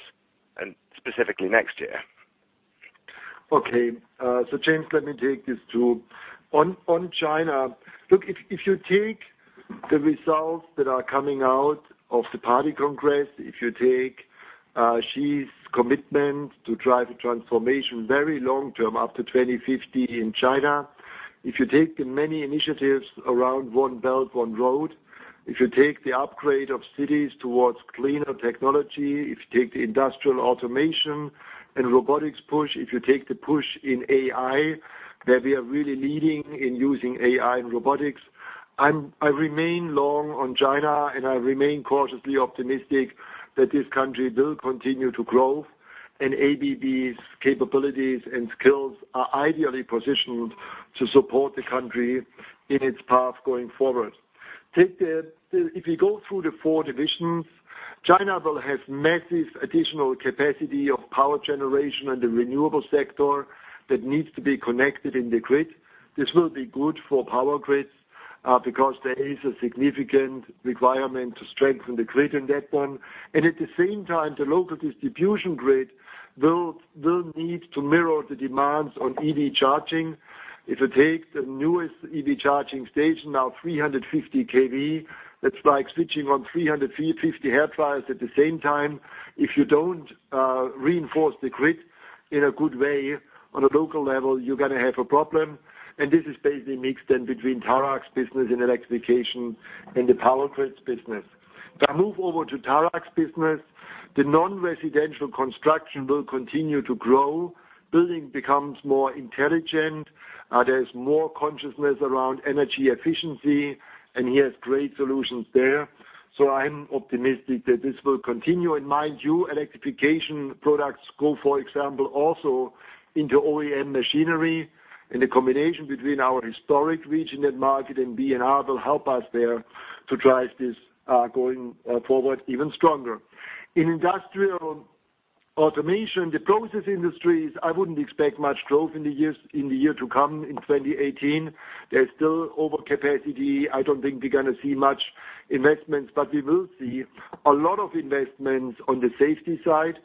and specifically next year? Okay. James, let me take these two. On China, look, if you take the results that are coming out of the party congress, if you take Xi's commitment to drive a transformation very long-term up to 2050 in China, if you take the many initiatives around One Belt, One Road, if you take the upgrade of cities towards cleaner technology, if you take the Industrial Automation and Robotics push, if you take the push in AI, that we are really leading in using AI and robotics. I remain long on China, and I remain cautiously optimistic that this country will continue to grow, and ABB's capabilities and skills are ideally positioned to support the country in its path going forward. If you go through the four divisions, China will have massive additional capacity of power generation and the renewable sector that needs to be connected in the grid. This will be good for Power Grids. There is a significant requirement to strengthen the grid in that one. At the same time, the local distribution grid will need to mirror the demands on EV charging. If you take the newest EV charging station, now 350 kV, that's like switching on 350 hair dryers at the same time. If you don't reinforce the grid in a good way on a local level, you're going to have a problem. This is basically mixed in between Tarak's business and Electrification Products and the Power Grids business. If I move over to Tarak's business, the non-residential construction will continue to grow. Building becomes more intelligent. There's more consciousness around energy efficiency, and he has great solutions there. I'm optimistic that this will continue. Mind you, Electrification Products go, for example, also into OEM machinery. The combination between our historic region and market and B&R will help us there to drive this going forward even stronger. In Industrial Automation, the process industries, I wouldn't expect much growth in the year to come in 2018. There's still over capacity. I don't think we're going to see much investments, but we will see a lot of investments on the safety side.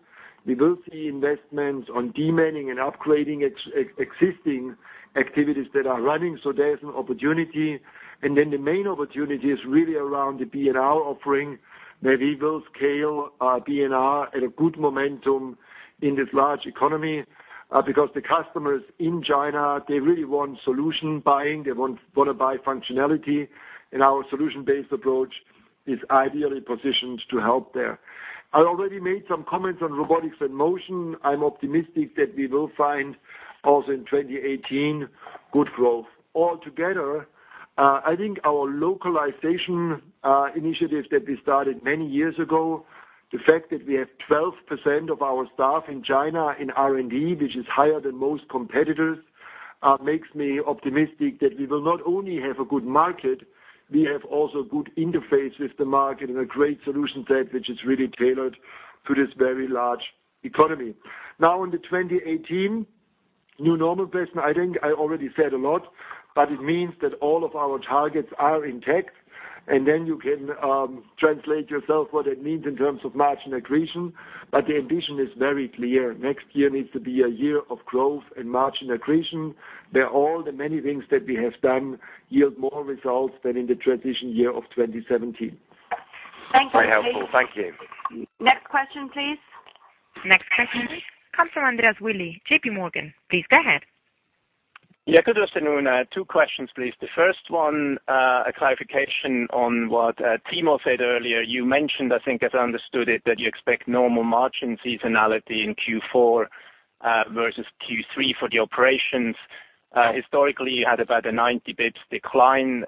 We will see investments on demanding and upgrading existing activities that are running. There is an opportunity. The main opportunity is really around the B&R offering, that we will scale B&R at a good momentum in this large economy. The customers in China, they really want solution buying. They want to buy functionality, and our solution-based approach is ideally positioned to help there. I already made some comments on Robotics and Motion. I'm optimistic that we will find also in 2018, good growth. All together, I think our localization initiatives that we started many years ago, the fact that we have 12% of our staff in China in R&D, which is higher than most competitors, makes me optimistic that we will not only have a good market, we have also good interface with the market and a great solution set, which is really tailored to this very large economy. Now on the 2018 New Normal Pace. I think I already said a lot, but it means that all of our targets are intact, and then you can translate yourself what it means in terms of margin accretion, but the ambition is very clear. Next year needs to be a year of growth and margin accretion, where all the many things that we have done yield more results than in the transition year of 2017. Thank you. Very helpful. Thank you. Next question, please. Next question comes from Andreas Willi, JPMorgan. Please go ahead. Good afternoon. Two questions, please. The first one, a clarification on what Timo said earlier. You mentioned, I think, as I understood it, that you expect normal margin seasonality in Q4 versus Q3 for the operations. Historically, you had about a 90 basis points decline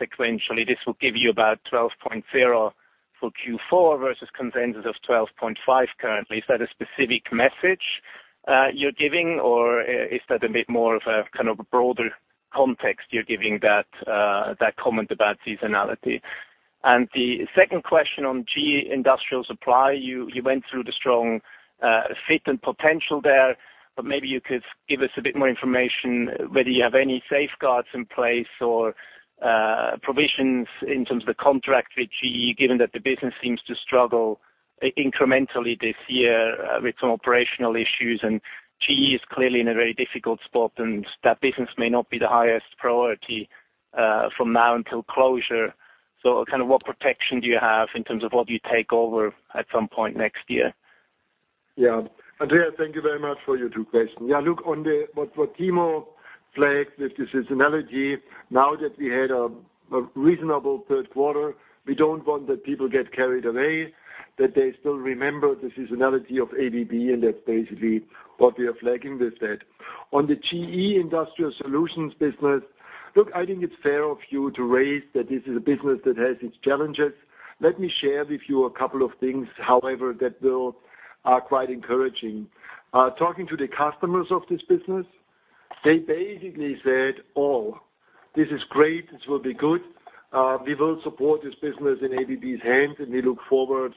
sequentially. This will give you about 12.0% for Q4 versus consensus of 12.5% currently. Is that a specific message you're giving, or is that a bit more of a kind of a broader context you're giving that comment about seasonality? The second question on GE Industrial Solutions. You went through the strong fit and potential there, but maybe you could give us a bit more information whether you have any safeguards in place or provisions in terms of the contract with GE, given that the business seems to struggle incrementally this year with some operational issues. GE is clearly in a very difficult spot, and that business may not be the highest priority from now until closure. What protection do you have in terms of what you take over at some point next year? Andreas, thank you very much for your two questions. Look on what Timo flagged with the seasonality. That we had a reasonable third quarter, we don't want that people get carried away, that they still remember the seasonality of ABB, and that's basically what we are flagging with that. On the GE Industrial Solutions business, look, I think it's fair of you to raise that this is a business that has its challenges. Let me share with you a couple of things, however, that are quite encouraging. Talking to the customers of this business, they basically said, "Oh, this is great. This will be good. We will support this business in ABB's hands, and we look forward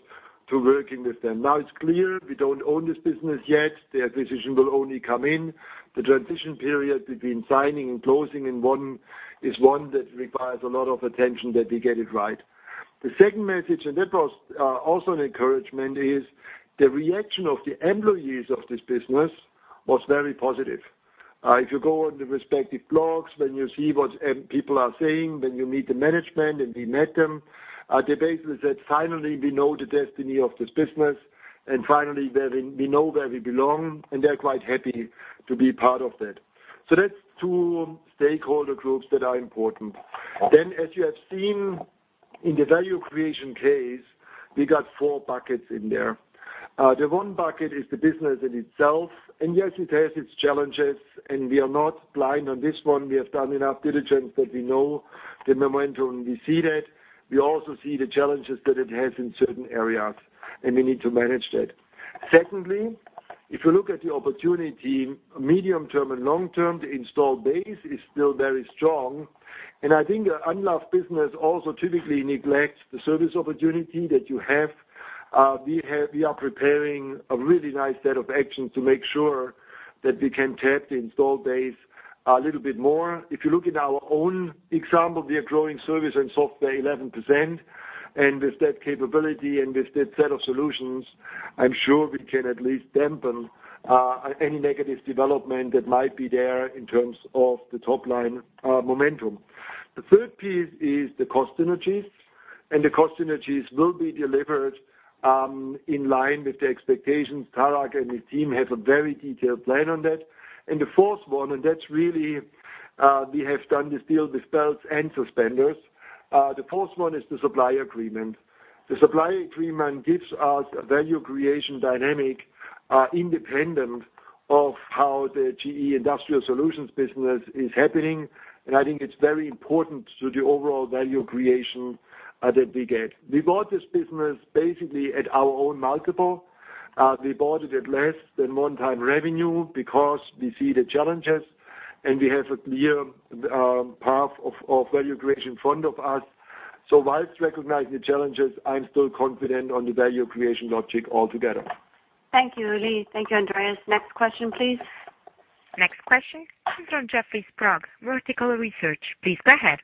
to working with them." It's clear we don't own this business yet. Their decision will only come in the transition period between signing and closing, is one that requires a lot of attention that we get it right. The second message, that was also an encouragement, is the reaction of the employees of this business was very positive. If you go on the respective blogs, when you see what people are saying, when you meet the management, and we met them, they basically said, "Finally, we know the destiny of this business, and finally, we know where we belong." They're quite happy to be part of that. That's two stakeholder groups that are important. As you have seen in the value creation case, we got four buckets in there. The one bucket is the business in itself. Yes, it has its challenges, and we are not blind on this one. We have done enough diligence that we know the momentum. We see that. We also see the challenges that it has in certain areas, we need to manage that. Secondly, if you look at the opportunity medium term and long term, the install base is still very strong. I think an unloved business also typically neglects the service opportunity that you have. We are preparing a really nice set of actions to make sure that we can tap the installed base a little bit more. If you look in our own example, we are growing service and software 11%. With that capability and with that set of solutions, I'm sure we can at least dampen any negative development that might be there in terms of the top line momentum. The third piece is the cost synergies, the cost synergies will be delivered in line with the expectations. Tarak and his team have a very detailed plan on that. The fourth one, that's really, we have done this deal with belts and suspenders. The fourth one is the supply agreement. The supply agreement gives us a value creation dynamic independent of how the GE Industrial Solutions business is happening, I think it's very important to the overall value creation that we get. We bought this business basically at our own multiple. We bought it at less than one time revenue because we see the challenges, we have a clear path of value creation in front of us. Whilst recognizing the challenges, I'm still confident on the value creation logic altogether. Thank you, Willi. Thank you, Andreas. Next question, please. Next question comes from Jeffrey Sprague, Vertical Research. Please go ahead.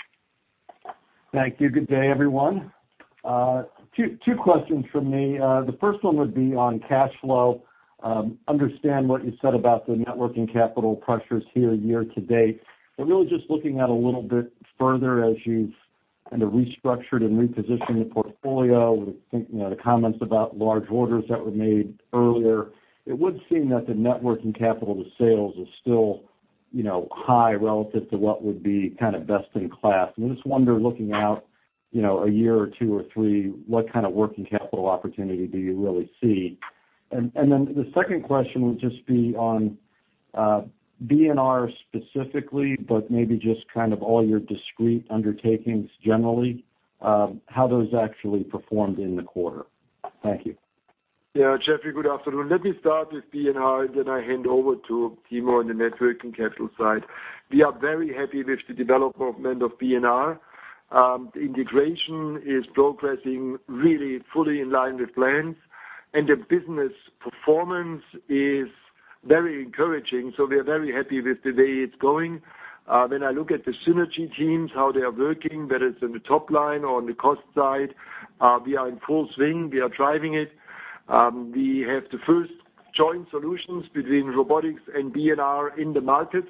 Thank you. Good day, everyone. Two questions from me. The first one would be on cash flow. Understand what you said about the net working capital pressures here year to date. Really just looking at a little bit further as you've restructured and repositioned the portfolio with, the comments about large orders that were made earlier. It would seem that the net working capital to sales is still high relative to what would be best in class. I just wonder, looking out a year or two or three, what kind of working capital opportunity do you really see? Then the second question would just be on B&R specifically, but maybe just all your discrete undertakings generally, how those actually performed in the quarter. Thank you. Yeah, Jeffrey, good afternoon. Let me start with B&R, and then I hand over to Timo on the net working capital side. We are very happy with the development of B&R. Integration is progressing really fully in line with plans, and the business performance is very encouraging. We are very happy with the way it's going. When I look at the synergy teams, how they are working, whether it's in the top line or on the cost side, we are in full swing. We are driving it. We have the first joint solutions between robotics and B&R in the market.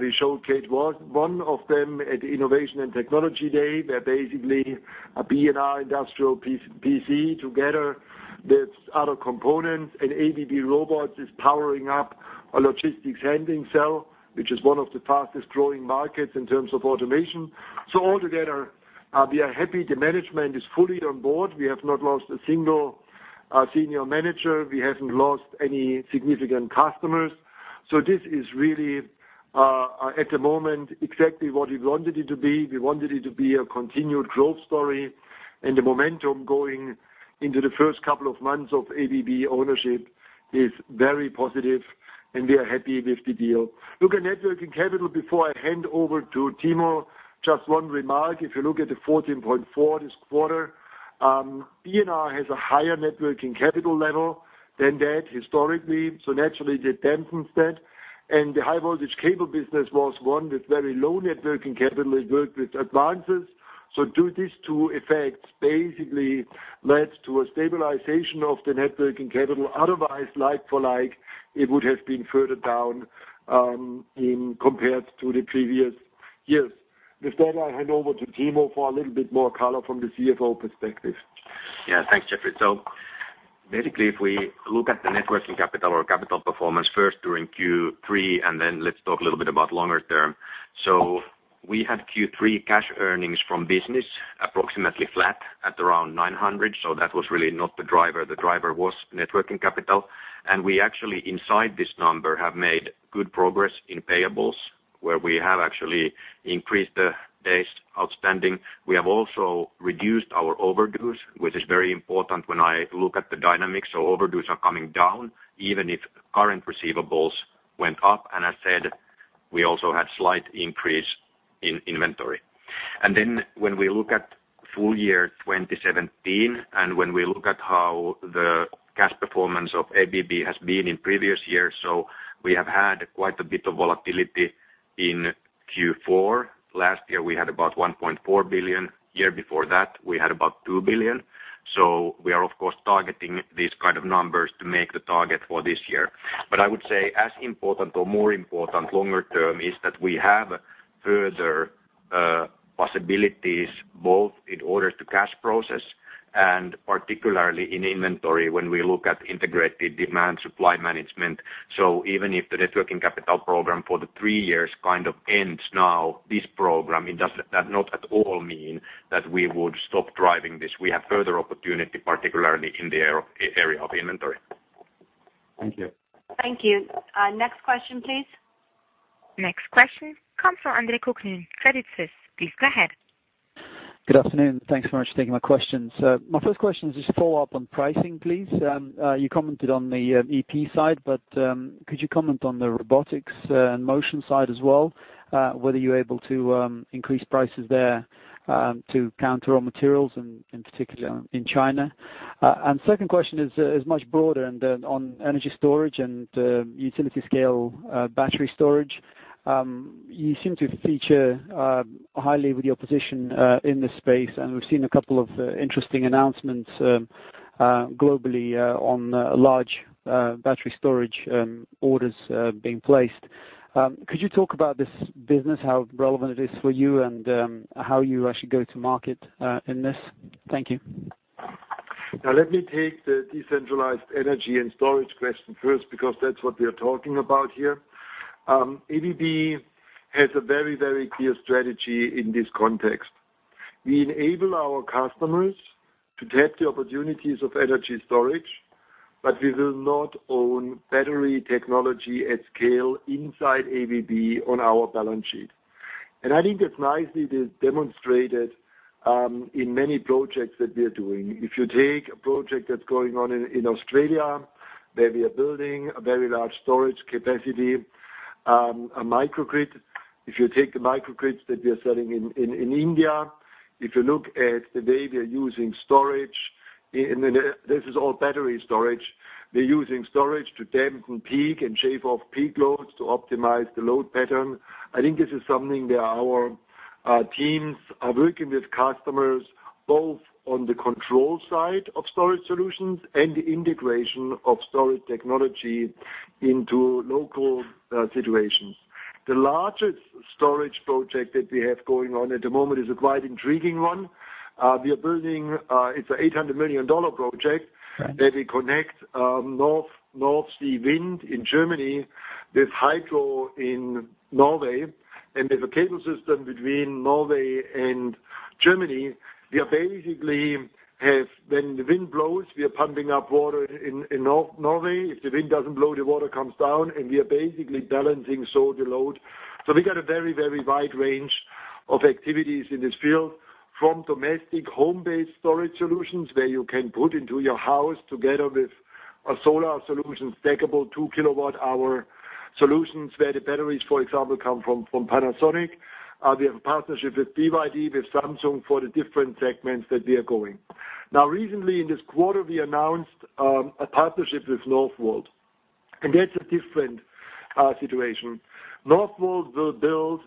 We showcase one of them at Innovation and Technology Day. They're basically a B&R industrial PC together with other components, and ABB Robots is powering up a logistics handling cell, which is one of the fastest-growing markets in terms of automation. Altogether, we are happy the management is fully on board. We have not lost a single senior manager. We haven't lost any significant customers. This is really, at the moment, exactly what we wanted it to be. We wanted it to be a continued growth story. The momentum going into the first couple of months of ABB ownership is very positive. We are happy with the deal. Look at networking capital before I hand over to Timo, just one remark. If you look at the 14.4 this quarter, B&R has a higher networking capital level than that historically, so naturally that dampens that. The high voltage cable business was one with very low networking capital. It worked with advances. Due to these two effects basically led to a stabilization of the networking capital. Otherwise, like for like, it would have been further down compared to the previous years. With that, I hand over to Timo for a little bit more color from the CFO perspective. Thanks, Jeffrey. Basically, if we look at the networking capital or capital performance first during Q3, then let's talk a little bit about longer term. We had Q3 cash earnings from business approximately flat at around $900. That was really not the driver. The driver was networking capital. We actually, inside this number, have made good progress in payables, where we have actually increased the days outstanding. We have also reduced our overdues, which is very important when I look at the dynamics. Overdues are coming down, even if current receivables went up. As said, we also had slight increase in inventory. When we look at full year 2017 and when we look at how the cash performance of ABB has been in previous years, we have had quite a bit of volatility in Q4. Last year, we had about $1.4 billion. Year before that, we had about $2 billion. We are of course targeting these kind of numbers to make the target for this year. I would say as important or more important longer term is that we have further possibilities both in orders to cash process and particularly in inventory when we look at integrated demand supply management. Even if the networking capital program for the three years kind of ends now, this program, it does not at all mean that we would stop driving this. We have further opportunity, particularly in the area of inventory. Thank you. Thank you. Next question, please. Next question comes from Andre Kukhnin, Credit Suisse. Please go ahead. Good afternoon. Thanks very much for taking my questions. My first question is just a follow-up on pricing, please. You commented on the EP side, but could you comment on the Robotics and Motion side as well, whether you're able to increase prices there? To counter raw materials, particularly in China. Second question is much broader and on energy storage and utility scale battery storage. You seem to feature highly with your position in this space, and we've seen a couple of interesting announcements globally on large battery storage orders being placed. Could you talk about this business, how relevant it is for you, and how you actually go to market in this? Thank you. Let me take the decentralized energy and storage question first, because that's what we are talking about here. ABB has a very clear strategy in this context. We enable our customers to tap the opportunities of energy storage, but we will not own battery technology at scale inside ABB on our balance sheet. I think that nicely is demonstrated in many projects that we are doing. If you take a project that's going on in Australia, where we are building a very large storage capacity, a microgrid. If you take the microgrids that we are selling in India. If you look at the way we are using storage, this is all battery storage. We're using storage to dampen peak and shave off peak loads to optimize the load pattern. I think this is something where our teams are working with customers both on the control side of storage solutions and the integration of storage technology into local situations. The largest storage project that we have going on at the moment is a quite intriguing one. It's a $800 million project. Right. Where we connect North Sea wind in Germany with hydro in Norway, and there's a cable system between Norway and Germany. When the wind blows, we are pumping up water in Norway. If the wind doesn't blow, the water comes down, and we are basically balancing solar load. We got a very wide range of activities in this field, from domestic home-based storage solutions, where you can put into your house together with a solar solution, stackable 2 kilowatt-hour solutions, where the batteries, for example, come from Panasonic. We have a partnership with BYD, with Samsung for the different segments that we are going. Recently in this quarter, we announced a partnership with Northvolt. That's a different situation. Northvolt will build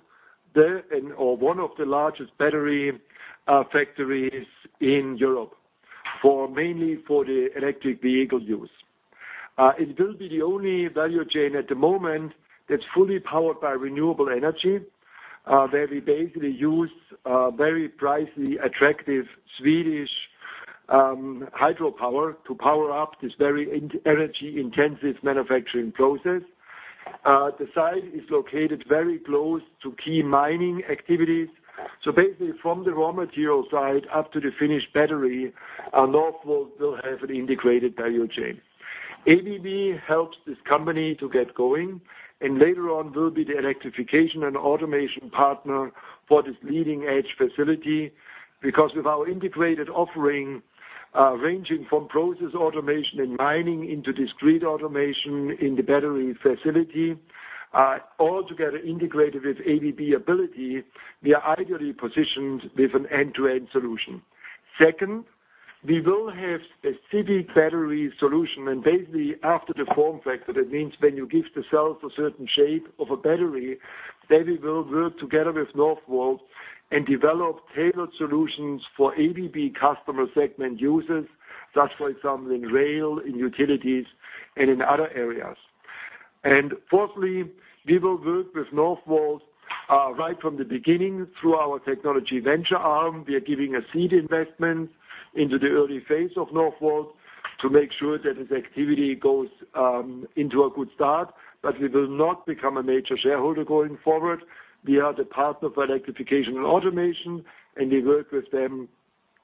one of the largest battery factories in Europe, mainly for the electric vehicle use. It will be the only value chain at the moment that's fully powered by renewable energy, where we basically use very pricely attractive Swedish hydropower to power up this very energy-intensive manufacturing process. The site is located very close to key mining activities. Basically, from the raw material side up to the finished battery, Northvolt will have an integrated value chain. ABB helps this company to get going, and later on will be the electrification and automation partner for this leading-edge facility. With our integrated offering, ranging from process automation and mining into discrete automation in the battery facility, all together integrated with ABB Ability, we are ideally positioned with an end-to-end solution. Second, we will have a specific battery solution and basically after the form factor, that means when you give the cell a certain shape of a battery, then we will work together with Northvolt and develop tailored solutions for ABB customer segment users. That is, for example, in rail, in utilities, and in other areas. Fourthly, we will work with Northvolt, right from the beginning through our technology venture arm. We are giving a seed investment into the early phase of Northvolt to make sure that this activity goes into a good start, but we will not become a major shareholder going forward. We are the partner for electrification and automation, we work with them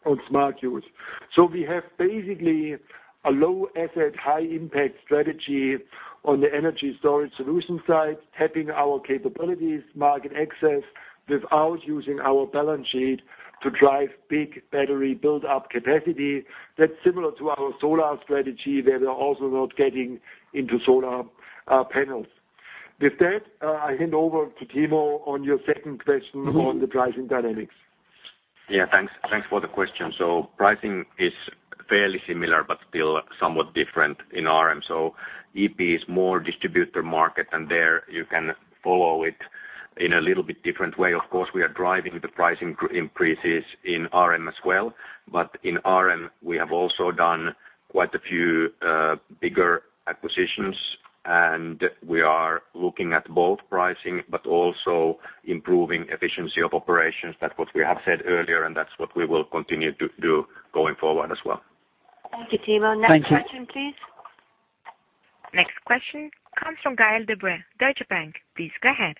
on smart use. We have basically a low asset, high impact strategy on the energy storage solution side, tapping our capabilities, market access, without using our balance sheet to drive big battery build-up capacity. That is similar to our solar strategy, where we are also not getting into solar panels. With that, I hand over to Timo on your second question on the pricing dynamics. Thanks for the question. Pricing is fairly similar, but still somewhat different in RM. EP is more distributor market, and there you can follow it in a little bit different way. Of course, we are driving the pricing increases in RM as well. In RM, we have also done quite a few bigger acquisitions, and we are looking at both pricing but also improving efficiency of operations. That is what we have said earlier, and that is what we will continue to do going forward as well. Thank you, Timo. Thank you. Next question, please. Next question comes from Gael De-Bray, Deutsche Bank. Please go ahead.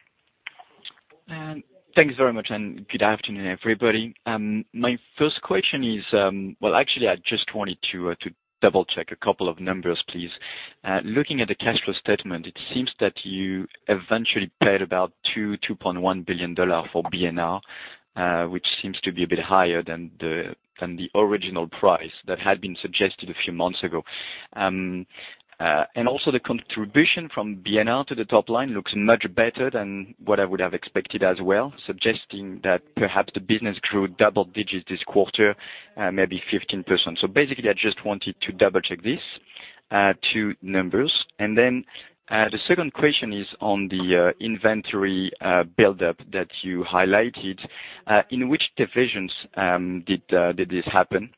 Thanks very much. Good afternoon, everybody. My first question is, well, actually, I just wanted to double-check a couple of numbers, please. Looking at the cash flow statement, it seems that you eventually paid about $2.1 billion for B&R. Which seems to be a bit higher than the original price that had been suggested a few months ago. Also the contribution from B&R to the top line looks much better than what I would have expected as well, suggesting that perhaps the business grew double digits this quarter, maybe 15%. Basically, I just wanted to double-check these two numbers. Then, the second question is on the inventory buildup that you highlighted. In which divisions did this happen?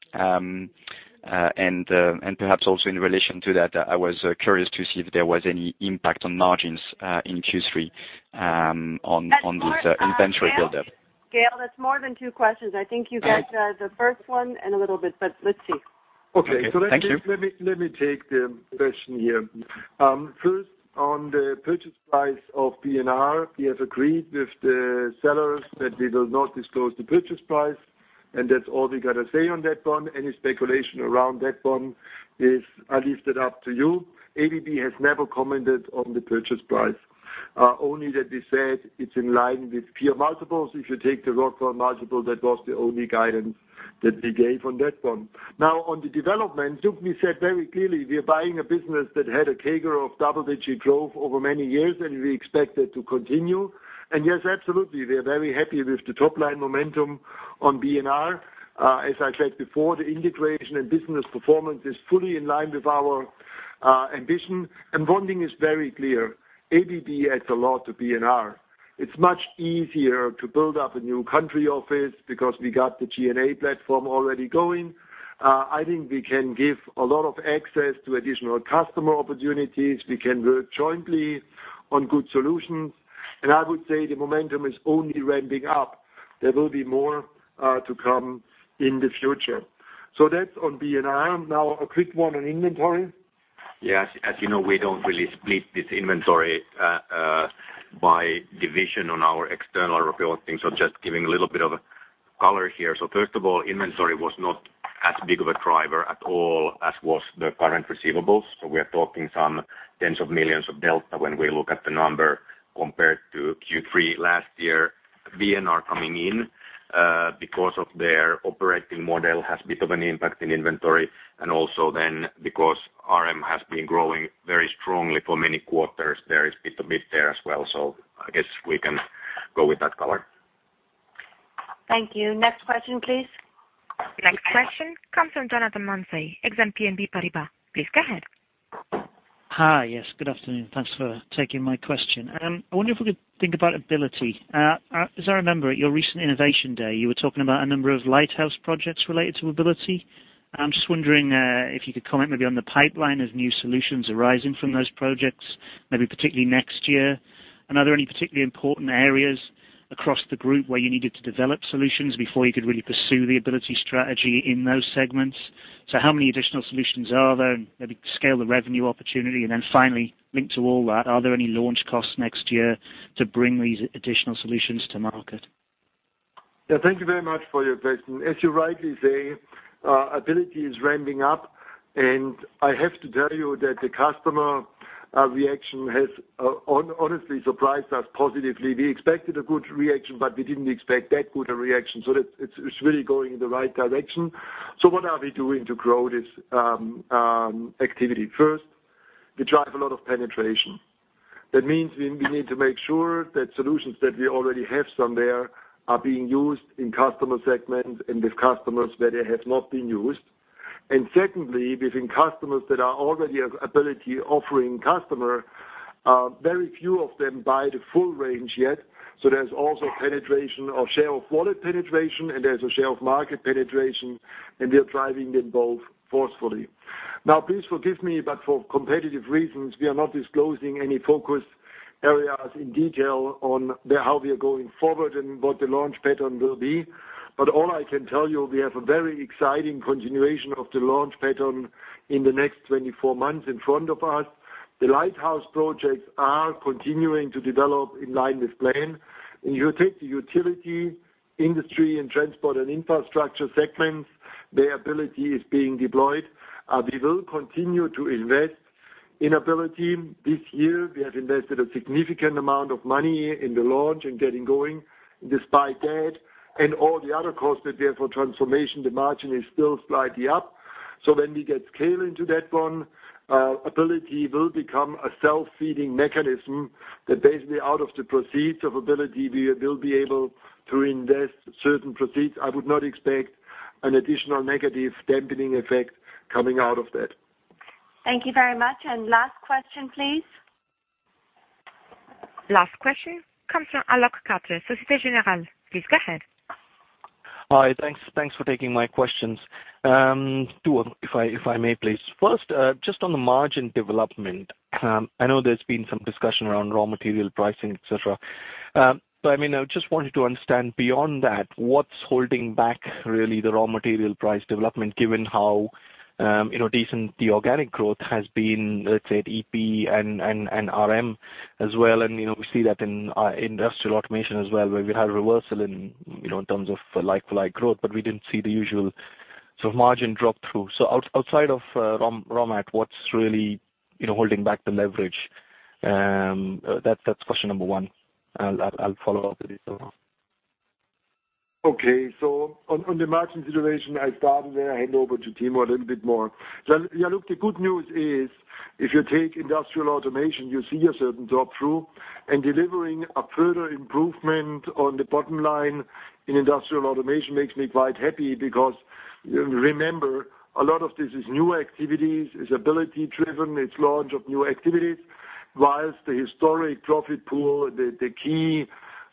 Perhaps also in relation to that, I was curious to see if there was any impact on margins in Q3 on this inventory buildup. Gael, that's more than two questions. I think you got the first one and a little bit. Let's see. Okay. Thank you. Let me take the question here. First, on the purchase price of B&R, we have agreed with the sellers that we will not disclose the purchase price, and that's all we got to say on that one. Any speculation around that one is, I leave that up to you. ABB has never commented on the purchase price. Only that we said it's in line with peer multiples. If you take the Rockwell multiple, that was the only guidance that we gave on that one. On the development, Ulrich Spiesshofer said very clearly we are buying a business that had a CAGR of double-digit growth over many years, and we expect that to continue. Yes, absolutely, we are very happy with the top-line momentum on B&R. As I said before, the integration and business performance is fully in line with our ambition, and bonding is very clear. ABB adds a lot to B&R. It's much easier to build up a new country office because we got the SG&A platform already going. I think we can give a lot of access to additional customer opportunities. We can work jointly on good solutions. I would say the momentum is only ramping up. There will be more to come in the future. That's on B&R. A quick one on inventory. Yes. As you know, we don't really split this inventory by division on our external reporting, just giving a little bit of color here. First of all, inventory was not as big of a driver at all as was the current receivables. We're talking some tens of millions of delta when we look at the number compared to Q3 last year. B&R coming in because of their operating model has a bit of an impact in inventory. Because Robotics and Motion has been growing very strongly for many quarters, there is bit there as well. I guess we can go with that color. Thank you. Next question, please. Next question comes from Jonathan Mounsey, Exane BNP Paribas. Please go ahead. Hi. Yes, good afternoon. Thanks for taking my question. I wonder if we could think about Ability. As I remember, at your recent Innovation Day, you were talking about a number of lighthouse projects related to Ability. I'm just wondering if you could comment maybe on the pipeline of new solutions arising from those projects, maybe particularly next year. Are there any particularly important areas across the group where you needed to develop solutions before you could really pursue the Ability strategy in those segments? How many additional solutions are there and maybe scale the revenue opportunity? Then finally, linked to all that, are there any launch costs next year to bring these additional solutions to market? Thank you very much for your question. As you rightly say, Ability is ramping up, I have to tell you that the customer reaction has honestly surprised us positively. We expected a good reaction, we didn't expect that good a reaction. It's really going in the right direction. What are we doing to grow this activity? First, we drive a lot of penetration. That means we need to make sure that solutions that we already have some there are being used in customer segments and with customers where they have not been used. Secondly, within customers that are already Ability offering customer, very few of them buy the full range yet. There's also penetration or share of wallet penetration, and there's a share of market penetration, and we are driving them both forcefully. Please forgive me, for competitive reasons, we are not disclosing any focus areas in detail on how we are going forward and what the launch pattern will be. All I can tell you, we have a very exciting continuation of the launch pattern in the next 24 months in front of us. The lighthouse projects are continuing to develop in line with plan. When you take the utility industry and transport and infrastructure segments, the ABB Ability is being deployed. We will continue to invest in ABB Ability. This year, we have invested a significant amount of money in the launch and getting going. Despite that and all the other costs that we have for transformation, the margin is still slightly up. When we get scale into that one, ABB Ability will become a self-feeding mechanism, that basically out of the proceeds of ABB Ability, we will be able to invest certain proceeds. I would not expect an additional negative dampening effect coming out of that. Thank you very much. Last question, please. Last question comes from Alok Katra, Societe Generale. Please go ahead. Hi. Thanks for taking my questions. Two of them, if I may, please. First, just on the margin development. I know there's been some discussion around raw material pricing, et cetera. I just wanted to understand beyond that, what's holding back really the raw material price development, given how decent the organic growth has been, let's say at EP and RM as well, and we see that in Industrial Automation as well, where we had reversal in terms of like-for-like growth, but we didn't see the usual sort of margin drop through. Outside of raw mat, what's really holding back the leverage? That's question number one. I'll follow up with this tomorrow. On the margin situation, I start and then I hand over to Timo a little bit more. Look, the good news is, if you take Industrial Automation, you see a certain drop through, and delivering a further improvement on the bottom line in Industrial Automation makes me quite happy because remember, a lot of this is new activities, is ABB Ability driven, it's launch of new activities, whilst the historic profit pool, the key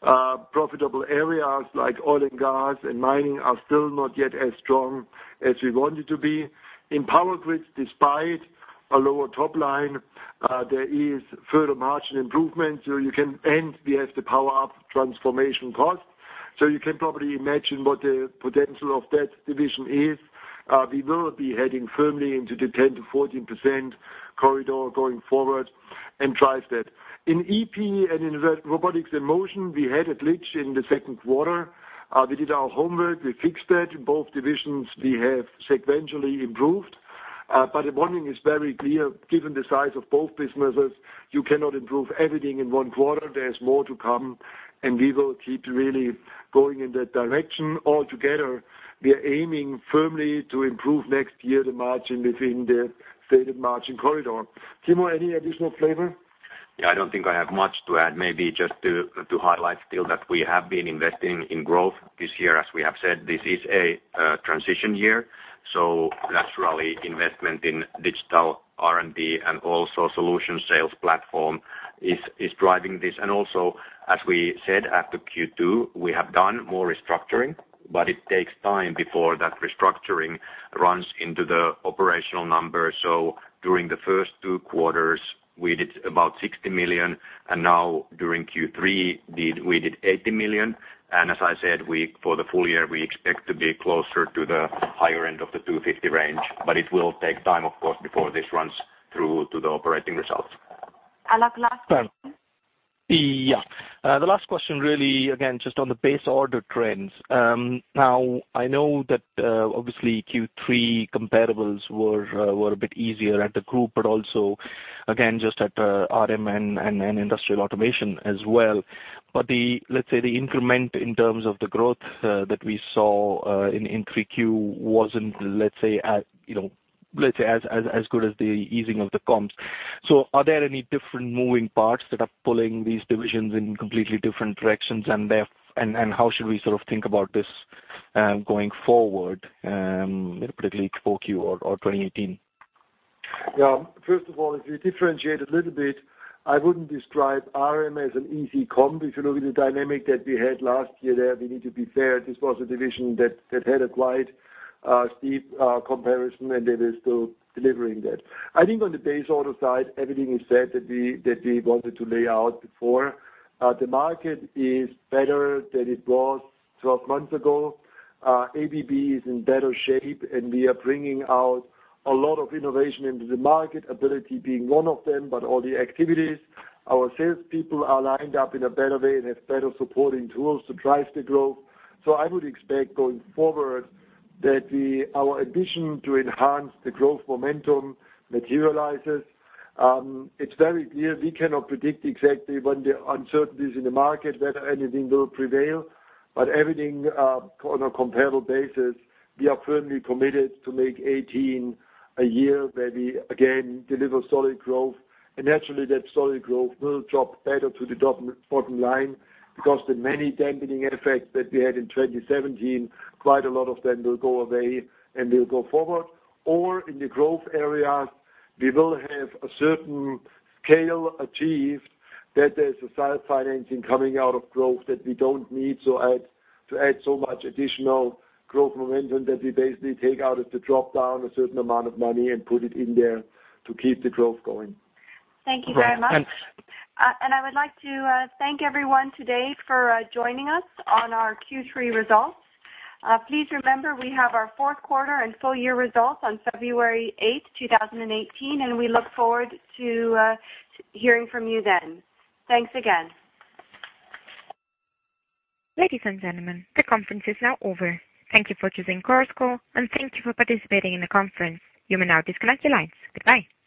profitable areas like oil and gas and mining are still not yet as strong as we want it to be. In Power Grids, despite a lower top line, there is further margin improvement. And we have the Power Up transformation cost. You can probably imagine what the potential of that division is. We will be heading firmly into the 10%-14% corridor going forward and drive that. In EP and in Robotics and Motion, we had a glitch in the second quarter. We did our homework, we fixed that. In both divisions, we have sequentially improved. One thing is very clear, given the size of both businesses, you cannot improve everything in one quarter. There's more to come, and we will keep really going in that direction. Altogether, we are aiming firmly to improve next year the margin within the stated margin corridor. Timo, any additional flavor? Yeah, I don't think I have much to add. Maybe just to highlight still that we have been investing in growth this year. As we have said, this is a transition year, so naturally investment in digital R&D and also solution sales platform is driving this. Also, as we said after Q2, we have done more restructuring, but it takes time before that restructuring runs into the operational numbers. During the first two quarters, we did about $60 million, and now during Q3, we did $80 million. As I said, for the full year, we expect to be closer to the higher end of the $250 range. It will take time, of course, before this runs through to the operating results. Alok, last question. Yeah. The last question really again, just on the base order trends. I know that obviously Q3 comparables were a bit easier at the group, but also again just at RM and Industrial Automation as well. Let's say the increment in terms of the growth that we saw in Q3 wasn't as good as the easing of the comps. Are there any different moving parts that are pulling these divisions in completely different directions, and how should we think about this going forward particularly for Q1 or 2018? Yeah. First of all, if you differentiate a little bit, I wouldn't describe RM as an easy comp. If you look at the dynamic that we had last year there, we need to be fair. This was a division that had a quite steep comparison, and that is still delivering that. I think on the base order side, everything is said that we wanted to lay out before. The market is better than it was 12 months ago. ABB is in better shape, and we are bringing out a lot of innovation into the market, Ability being one of them, but all the activities. Our salespeople are lined up in a better way and have better supporting tools to drive the growth. I would expect going forward that our addition to enhance the growth momentum materializes. It's very clear we cannot predict exactly when the uncertainties in the market, whether anything will prevail, but everything on a comparable basis, we are firmly committed to make 2018 a year where we again deliver solid growth. Naturally, that solid growth will drop better to the bottom line because the many dampening effects that we had in 2017, quite a lot of them will go away, and we'll go forward. In the growth areas, we will have a certain scale achieved that there's a self-financing coming out of growth that we don't need to add so much additional growth momentum that we basically take out of the drop-down a certain amount of money and put it in there to keep the growth going. Thank you very much. Right. Thanks. I would like to thank everyone today for joining us on our Q3 results. Please remember, we have our fourth quarter and full year results on February 8th, 2018, and we look forward to hearing from you then. Thanks again. Ladies and gentlemen, the conference is now over. Thank you for choosing Chorus Call, and thank you for participating in the conference. You may now disconnect your lines. Goodbye.